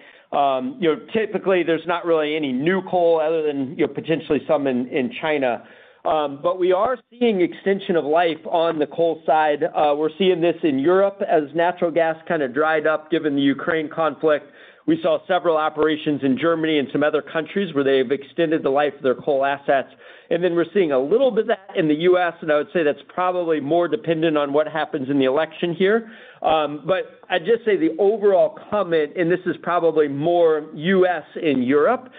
Typically, there's not really any new coal other than potentially some in China. But we are seeing extension of life on the coal side. We're seeing this in Europe as natural gas kind of dried up given the Ukraine conflict. We saw several operations in Germany and some other countries where they've extended the life of their coal assets. And then we're seeing a little bit of that in the U.S. And I would say that's probably more dependent on what happens in the election here. But I'd just say the overall comment, and this is probably more U.S. and Europe,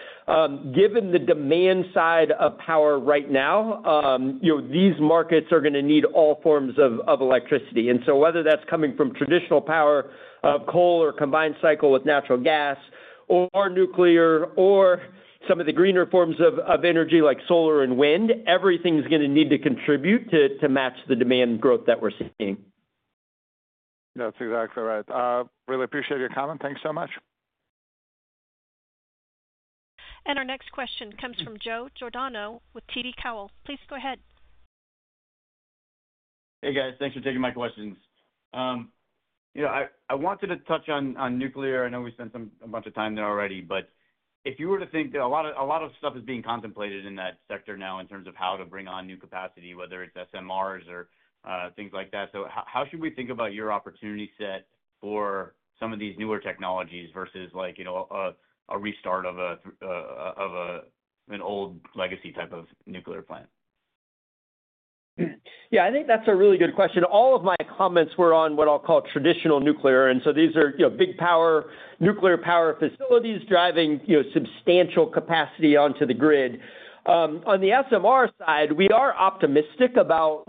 given the demand side of power right now, these markets are going to need all forms of electricity. And so whether that's coming from traditional power, coal, or combined cycle with natural gas, or nuclear, or some of the greener forms of energy like solar and wind, everything's going to need to contribute to match the demand growth that we're seeing. That's exactly right. Really appreciate your comment. Thanks so much. And our next question comes from Joseph Giordano with TD Cowen. Please go ahead. Hey, guys. Thanks for taking my questions. I wanted to touch on nuclear. I know we spent a bunch of time there already. But if you were to think that a lot of stuff is being contemplated in that sector now in terms of how to bring on new capacity, whether it's SMRs or things like that, so how should we think about your opportunity set for some of these newer technologies versus a restart of an old legacy type of nuclear plant? Yeah. I think that's a really good question. All of my comments were on what I'll call traditional nuclear, and so these are big power, nuclear power facilities driving substantial capacity onto the grid. On the SMR side, we are optimistic about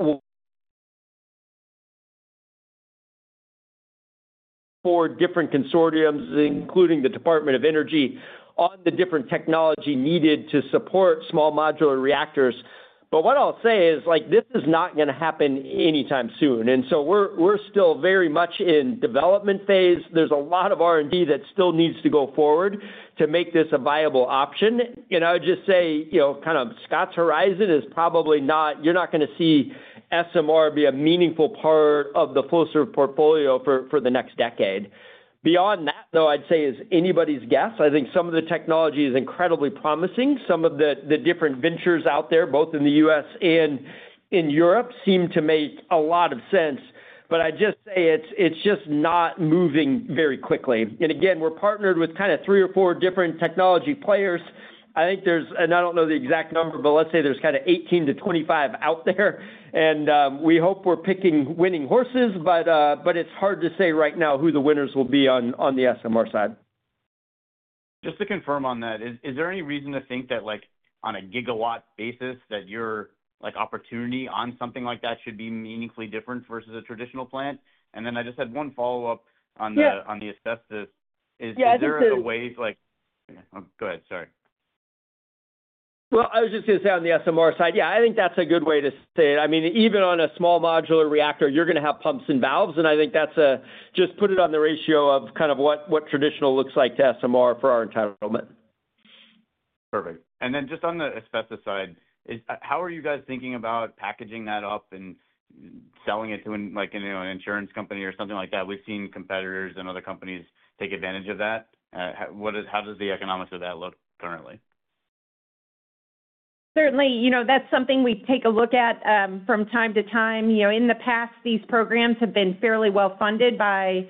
four different consortiums, including the Department of Energy, on the different technology needed to support small modular reactors. But what I'll say is this is not going to happen anytime soon. And so we're still very much in development phase. There's a lot of R&D that still needs to go forward to make this a viable option. And I would just say kind of Scott's horizon is probably not, you're not going to see SMR be a meaningful part of the Flowserve portfolio for the next decade. Beyond that, though, I'd say is anybody's guess. I think some of the technology is incredibly promising. Some of the different ventures out there, both in the U.S. and in Europe, seem to make a lot of sense. But I'd just say it's just not moving very quickly. And again, we're partnered with kind of three or four different technology players. I think there's, and I don't know the exact number, but let's say there's kind of 18 to 25 out there. We hope we're picking winning horses, but it's hard to say right now who the winners will be on the SMR side. Just to confirm on that, is there any reason to think that on a gigawatt basis that your opportunity on something like that should be meaningfully different versus a traditional plant? And then I just had one follow-up on the asbestos. Is there a way? Yeah. There is. Go ahead. Sorry. Well, I was just going to say on the SMR side, yeah, I think that's a good way to say it. I mean, even on a small modular reactor, you're going to have pumps and valves. And I think that's a just put it on the ratio of kind of what traditional looks like to SMR for our entitlement. Perfect. And then just on the asbestos side, how are you guys thinking about packaging that up and selling it to an insurance company or something like that? We've seen competitors and other companies take advantage of that. How does the economics of that look currently? Certainly, that's something we take a look at from time to time. In the past, these programs have been fairly well funded by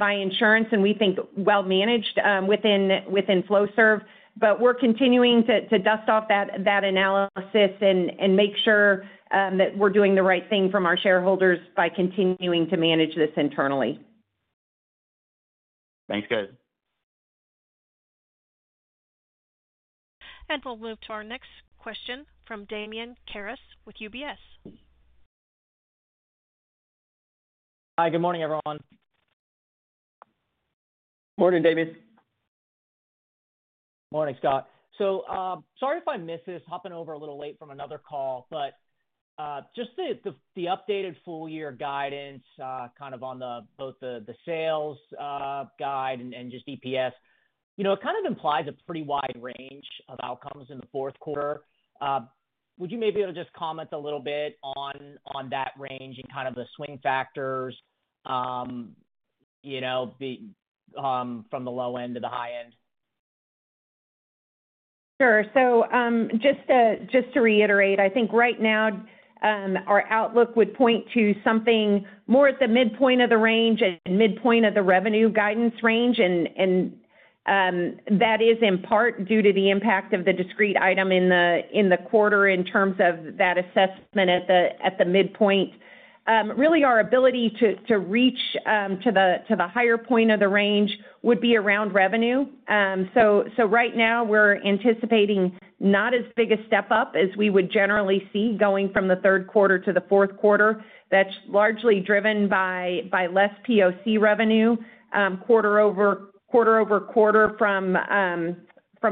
insurance, and we think well managed within Flowserve. But we're continuing to dust off that analysis and make sure that we're doing the right thing from our shareholders by continuing to manage this internally. Thanks, guys. And we'll move to our next question from Damian Karas with UBS. Hi. Good morning, everyone. Morning, Damian. Morning, Scott. Sorry if I missed this, hopping over a little late from another call, but just the updated full-year guidance kind of on both the sales guide and just EPS. It kind of implies a pretty wide range of outcomes in the fourth quarter. Would you maybe be able to just comment a little bit on that range and kind of the swing factors from the low end to the high end? Sure. Just to reiterate, I think right now our outlook would point to something more at the midpoint of the range and midpoint of the revenue guidance range. And that is in part due to the impact of the discrete item in the quarter in terms of that assessment at the midpoint. Really, our ability to reach to the higher point of the range would be around revenue. So right now, we're anticipating not as big a step up as we would generally see going from the third quarter to the fourth quarter. That's largely driven by less POC revenue quarter over quarter from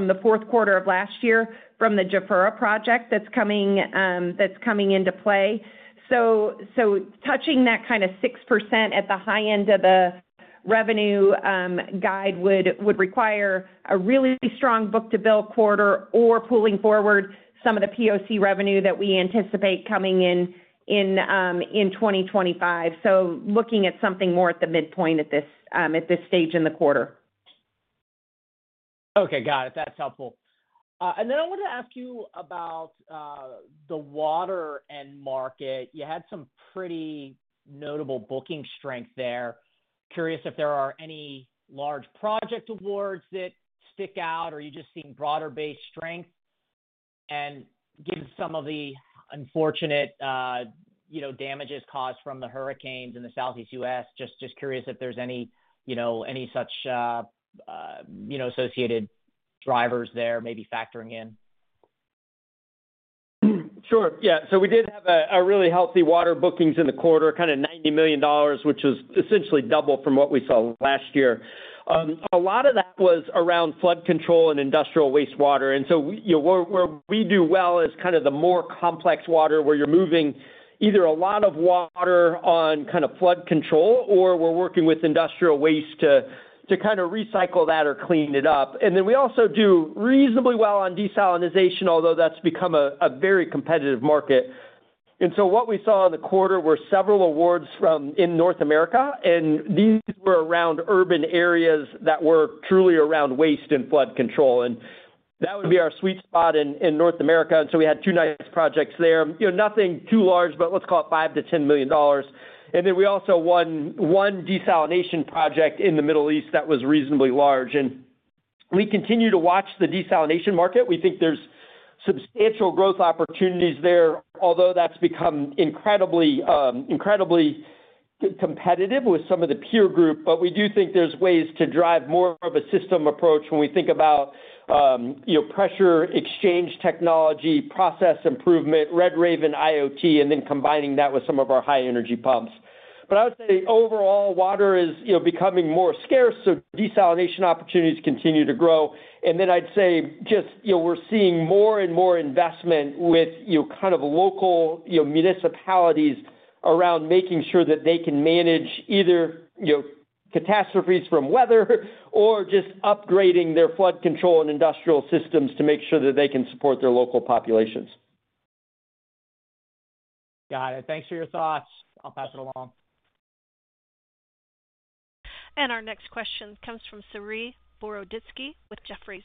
the fourth quarter of last year from the Jafurah project that's coming into play. So touching that kind of 6% at the high end of the revenue guide would require a really strong book-to-bill quarter or pulling forward some of the POC revenue that we anticipate coming in 2025. So looking at something more at the midpoint at this stage in the quarter. Okay. Got it. That's helpful. And then I wanted to ask you about the water end market. You had some pretty notable booking strength there. Curious if there are any large project awards that stick out or you just see broader-based strength and give some of the unfortunate damages caused from the hurricanes in the Southeast U.S. Just curious if there's any such associated drivers there maybe factoring in. Sure. Yeah. So we did have a really healthy water bookings in the quarter, kind of $90 million, which was essentially double from what we saw last year. A lot of that was around flood control and industrial wastewater. And so where we do well is kind of the more complex water where you're moving either a lot of water on kind of flood control or we're working with industrial waste to kind of recycle that or clean it up. And then we also do reasonably well on desalination, although that's become a very competitive market. What we saw in the quarter were several awards in North America. These were around urban areas that were truly around waste and flood control. That would be our sweet spot in North America. We had two nice projects there. Nothing too large, but let's call it $5-$10 million. Then we also won one desalination project in the Middle East that was reasonably large. We continue to watch the desalination market. We think there's substantial growth opportunities there, although that's become incredibly competitive with some of the peer group. We do think there's ways to drive more of a system approach when we think about pressure exchange technology, process improvement, Red Raven IoT, and then combining that with some of our high-energy pumps. Overall, water is becoming more scarce. Desalination opportunities continue to grow. And then I'd say just we're seeing more and more investment with kind of local municipalities around making sure that they can manage either catastrophes from weather or just upgrading their flood control and industrial systems to make sure that they can support their local populations. Got it. Thanks for your thoughts. I'll pass it along. And our next question comes from Saree Boroditsky with Jefferies.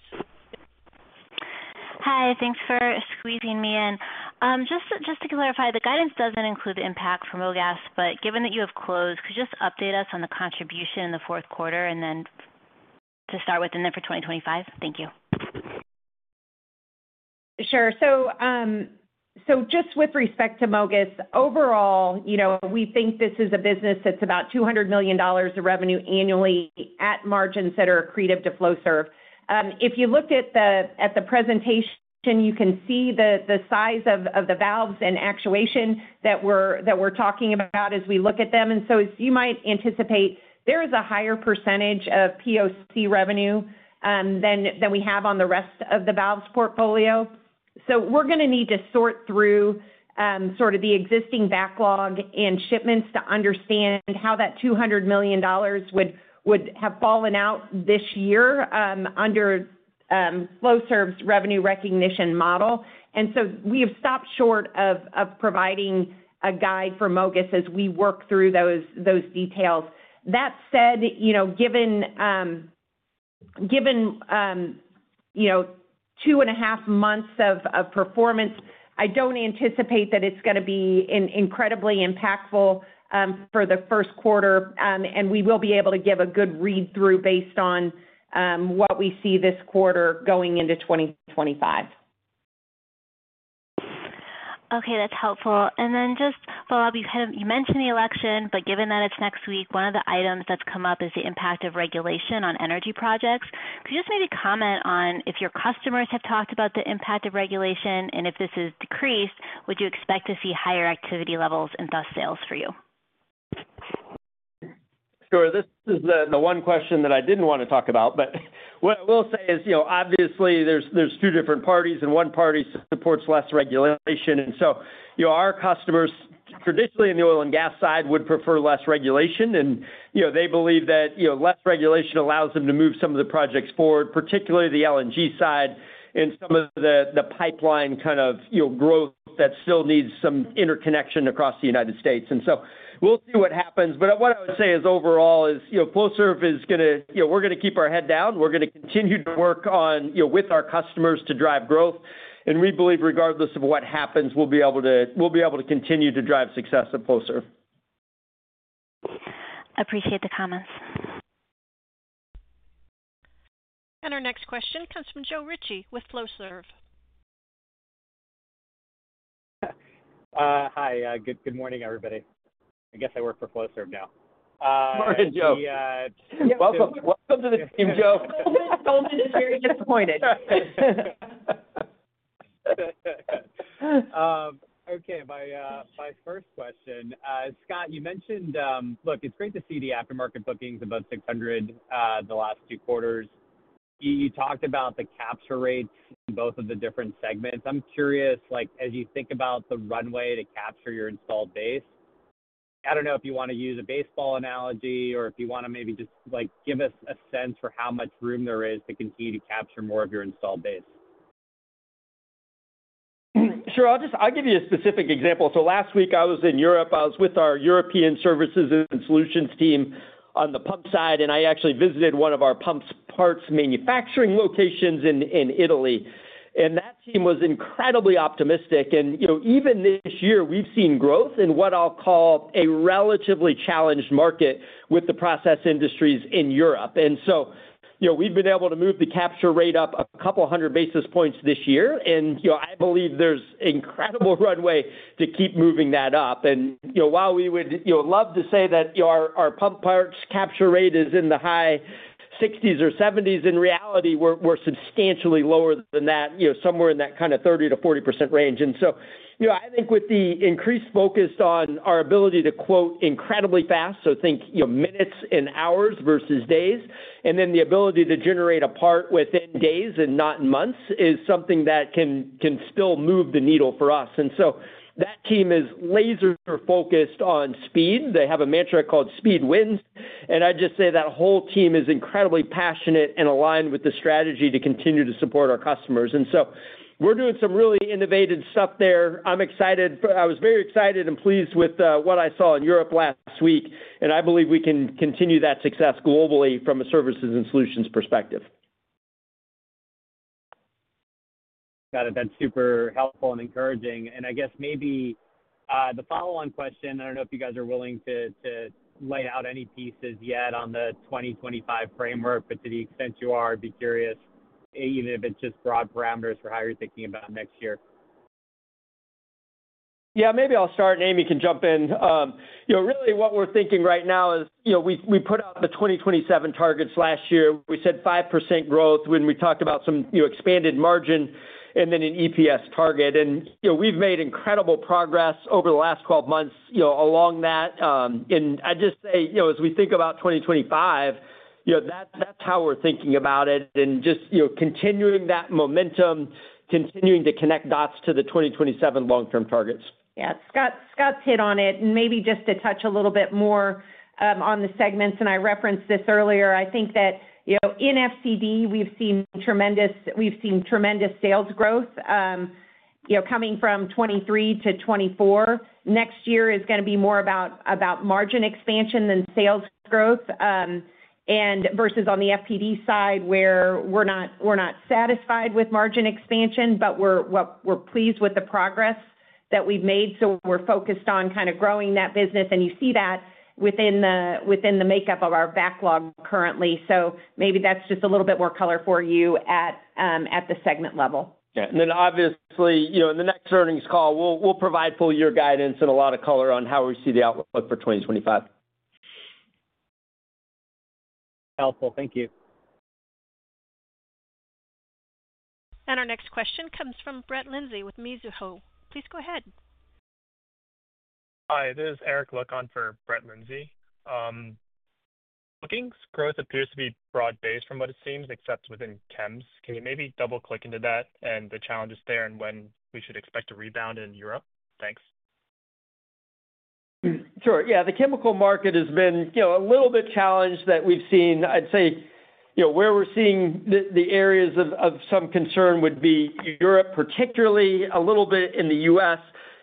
Hi. Thanks for squeezing me in. Just to clarify, the guidance doesn't include the impact from MOGAS. But given that you have closed, could you just update us on the contribution in the fourth quarter to start with and then for 2025? Thank you. Sure. So just with respect to MOGAS, overall, we think this is a business that's about $200 million of revenue annually at margins that are accretive to Flowserve. If you looked at the presentation, you can see the size of the valves and actuation that we're talking about as we look at them. And so as you might anticipate, there is a higher percentage of POC revenue than we have on the rest of the valves portfolio. So we're going to need to sort through sort of the existing backlog and shipments to understand how that $200 million would have fallen out this year under Flowserve's revenue recognition model. And so we have stopped short of providing a guide for MOGAS as we work through those details. That said, given two and a half months of performance, I don't anticipate that it's going to be incredibly impactful for the first quarter. And we will be able to give a good read-through based on what we see this quarter going into 2025. Okay. That's helpful. And then just follow-up. You mentioned the election. But given that it's next week, one of the items that's come up is the impact of regulation on energy projects. Could you just maybe comment on if your customers have talked about the impact of regulation? And if this has decreased, would you expect to see higher activity levels and thus sales for you? Sure. This is the one question that I didn't want to talk about. But what I will say is, obviously, there's two different parties, and one party supports less regulation. And so our customers, traditionally on the oil and gas side, would prefer less regulation. And they believe that less regulation allows them to move some of the projects forward, particularly the LNG side and some of the pipeline kind of growth that still needs some interconnection across the United States. And so we'll see what happens. But what I would say is, overall, Flowserve is going to keep our head down. We're going to continue to work with our customers to drive growth. And we believe regardless of what happens, we'll be able to continue to drive success at Flowserve. Appreciate the comments. And our next question comes from Joe Ritchie with Flowserve. Hi. Good morning, everybody. I guess I work for Flowserve now. Morning, Joe. Welcome to the team, Joe. Told me to be very disappointed. Okay. My first question, Scott, you mentioned look, it's great to see the aftermarket bookings above 600 the last two quarters. You talked about the capture rates in both of the different segments. I'm curious, as you think about the runway to capture your installed base. I don't know if you want to use a baseball analogy or if you want to maybe just give us a sense for how much room there is to continue to capture more of your installed base. Sure. I'll give you a specific example. So last week, I was in Europe. I was with our European services and solutions team on the pump side. And I actually visited one of our pump parts manufacturing locations in Italy. And that team was incredibly optimistic. And even this year, we've seen growth in what I'll call a relatively challenged market with the process industries in Europe. And so we've been able to move the capture rate up a couple hundred basis points this year. And I believe there's incredible runway to keep moving that up. While we would love to say that our pump parts capture rate is in the high 60s or 70s, in reality, we're substantially lower than that, somewhere in that kind of 30%-40% range. I think with the increased focus on our ability to quote incredibly fast, so think minutes and hours versus days, and then the ability to generate a part within days and not in months is something that can still move the needle for us. That team is laser-focused on speed. They have a mantra called Speed Wins. I'd just say that whole team is incredibly passionate and aligned with the strategy to continue to support our customers. We're doing some really innovative stuff there. I'm excited. I was very excited and pleased with what I saw in Europe last week. I believe we can continue that success globally from a services and solutions perspective. Got it. That's super helpful and encouraging. I guess maybe the follow-on question, I don't know if you guys are willing to lay out any pieces yet on the 2025 framework, but to the extent you are, I'd be curious, even if it's just broad parameters for how you're thinking about next year. Yeah. Maybe I'll start. Amy can jump in. Really, what we're thinking right now is we put out the 2027 targets last year. We said 5% growth when we talked about some expanded margin and then an EPS target. We've made incredible progress over the last 12 months along that. I'd just say as we think about 2025, that's how we're thinking about it and just continuing that momentum, continuing to connect dots to the 2027 long-term targets. Yeah. Scott's hit on it. And maybe just to touch a little bit more on the segments, and I referenced this earlier. I think that in FCD, we've seen tremendous sales growth coming from 2023 to 2024. Next year is going to be more about margin expansion than sales growth versus on the FPD side where we're not satisfied with margin expansion, but we're pleased with the progress that we've made. So we're focused on kind of growing that business. And you see that within the makeup of our backlog currently. So maybe that's just a little bit more color for you at the segment level. Yeah. And then obviously, in the next earnings call, we'll provide full-year guidance and a lot of color on how we see the outlook for 2025. Helpful. Thank you. And our next question comes from Brett Linzey with Mizuho. Please go ahead. Hi. This is Erik Lovkun for Brett Linzey. Bookings growth appears to be broad-based from what it seems, except within chems. Can you maybe double-click into that and the challenges there and when we should expect a rebound in Europe? Thanks. Sure. Yeah. The chemical market has been a little bit challenged that we've seen. I'd say where we're seeing the areas of some concern would be Europe, particularly a little bit in the US,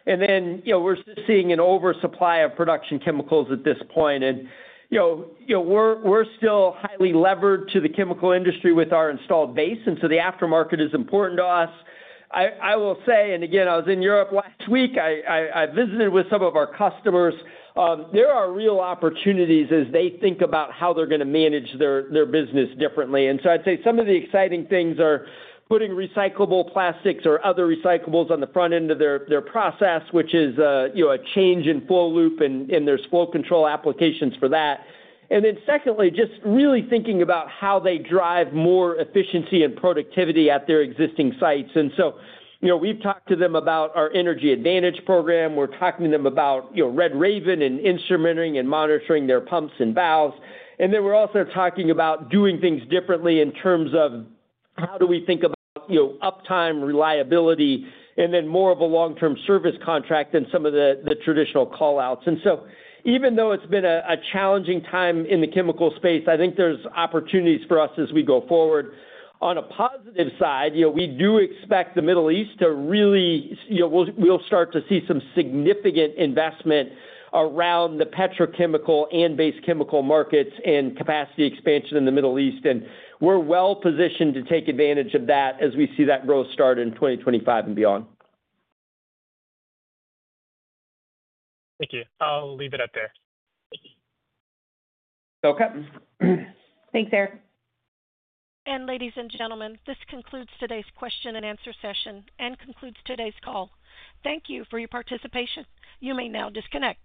and then we're just seeing an oversupply of production chemicals at this point. And we're still highly levered to the chemical industry with our installed base, and so the aftermarket is important to us. I will say, and again, I was in Europe last week. I visited with some of our customers. There are real opportunities as they think about how they're going to manage their business differently. And so I'd say some of the exciting things are putting recyclable plastics or other recyclables on the front end of their process, which is a change in flow loop and there's flow control applications for that. And then secondly, just really thinking about how they drive more efficiency and productivity at their existing sites. And so we've talked to them about our Energy Advantage Program. We're talking to them about Red Raven and instrumenting and monitoring their pumps and valves. And then we're also talking about doing things differently in terms of how do we think about uptime reliability and then more of a long-term service contract than some of the traditional callouts. And so even though it's been a challenging time in the chemical space, I think there's opportunities for us as we go forward. On a positive side, we do expect the Middle East to really, we'll start to see some significant investment around the petrochemical and base chemical markets and capacity expansion in the Middle East. We're well-positioned to take advantage of that as we see that growth start in 2025 and beyond. Thank you. I'll leave it at that. Okay. Thanks, Brett. Ladies and gentlemen, this concludes today's question and answer session and concludes today's call. Thank you for your participation. You may now disconnect.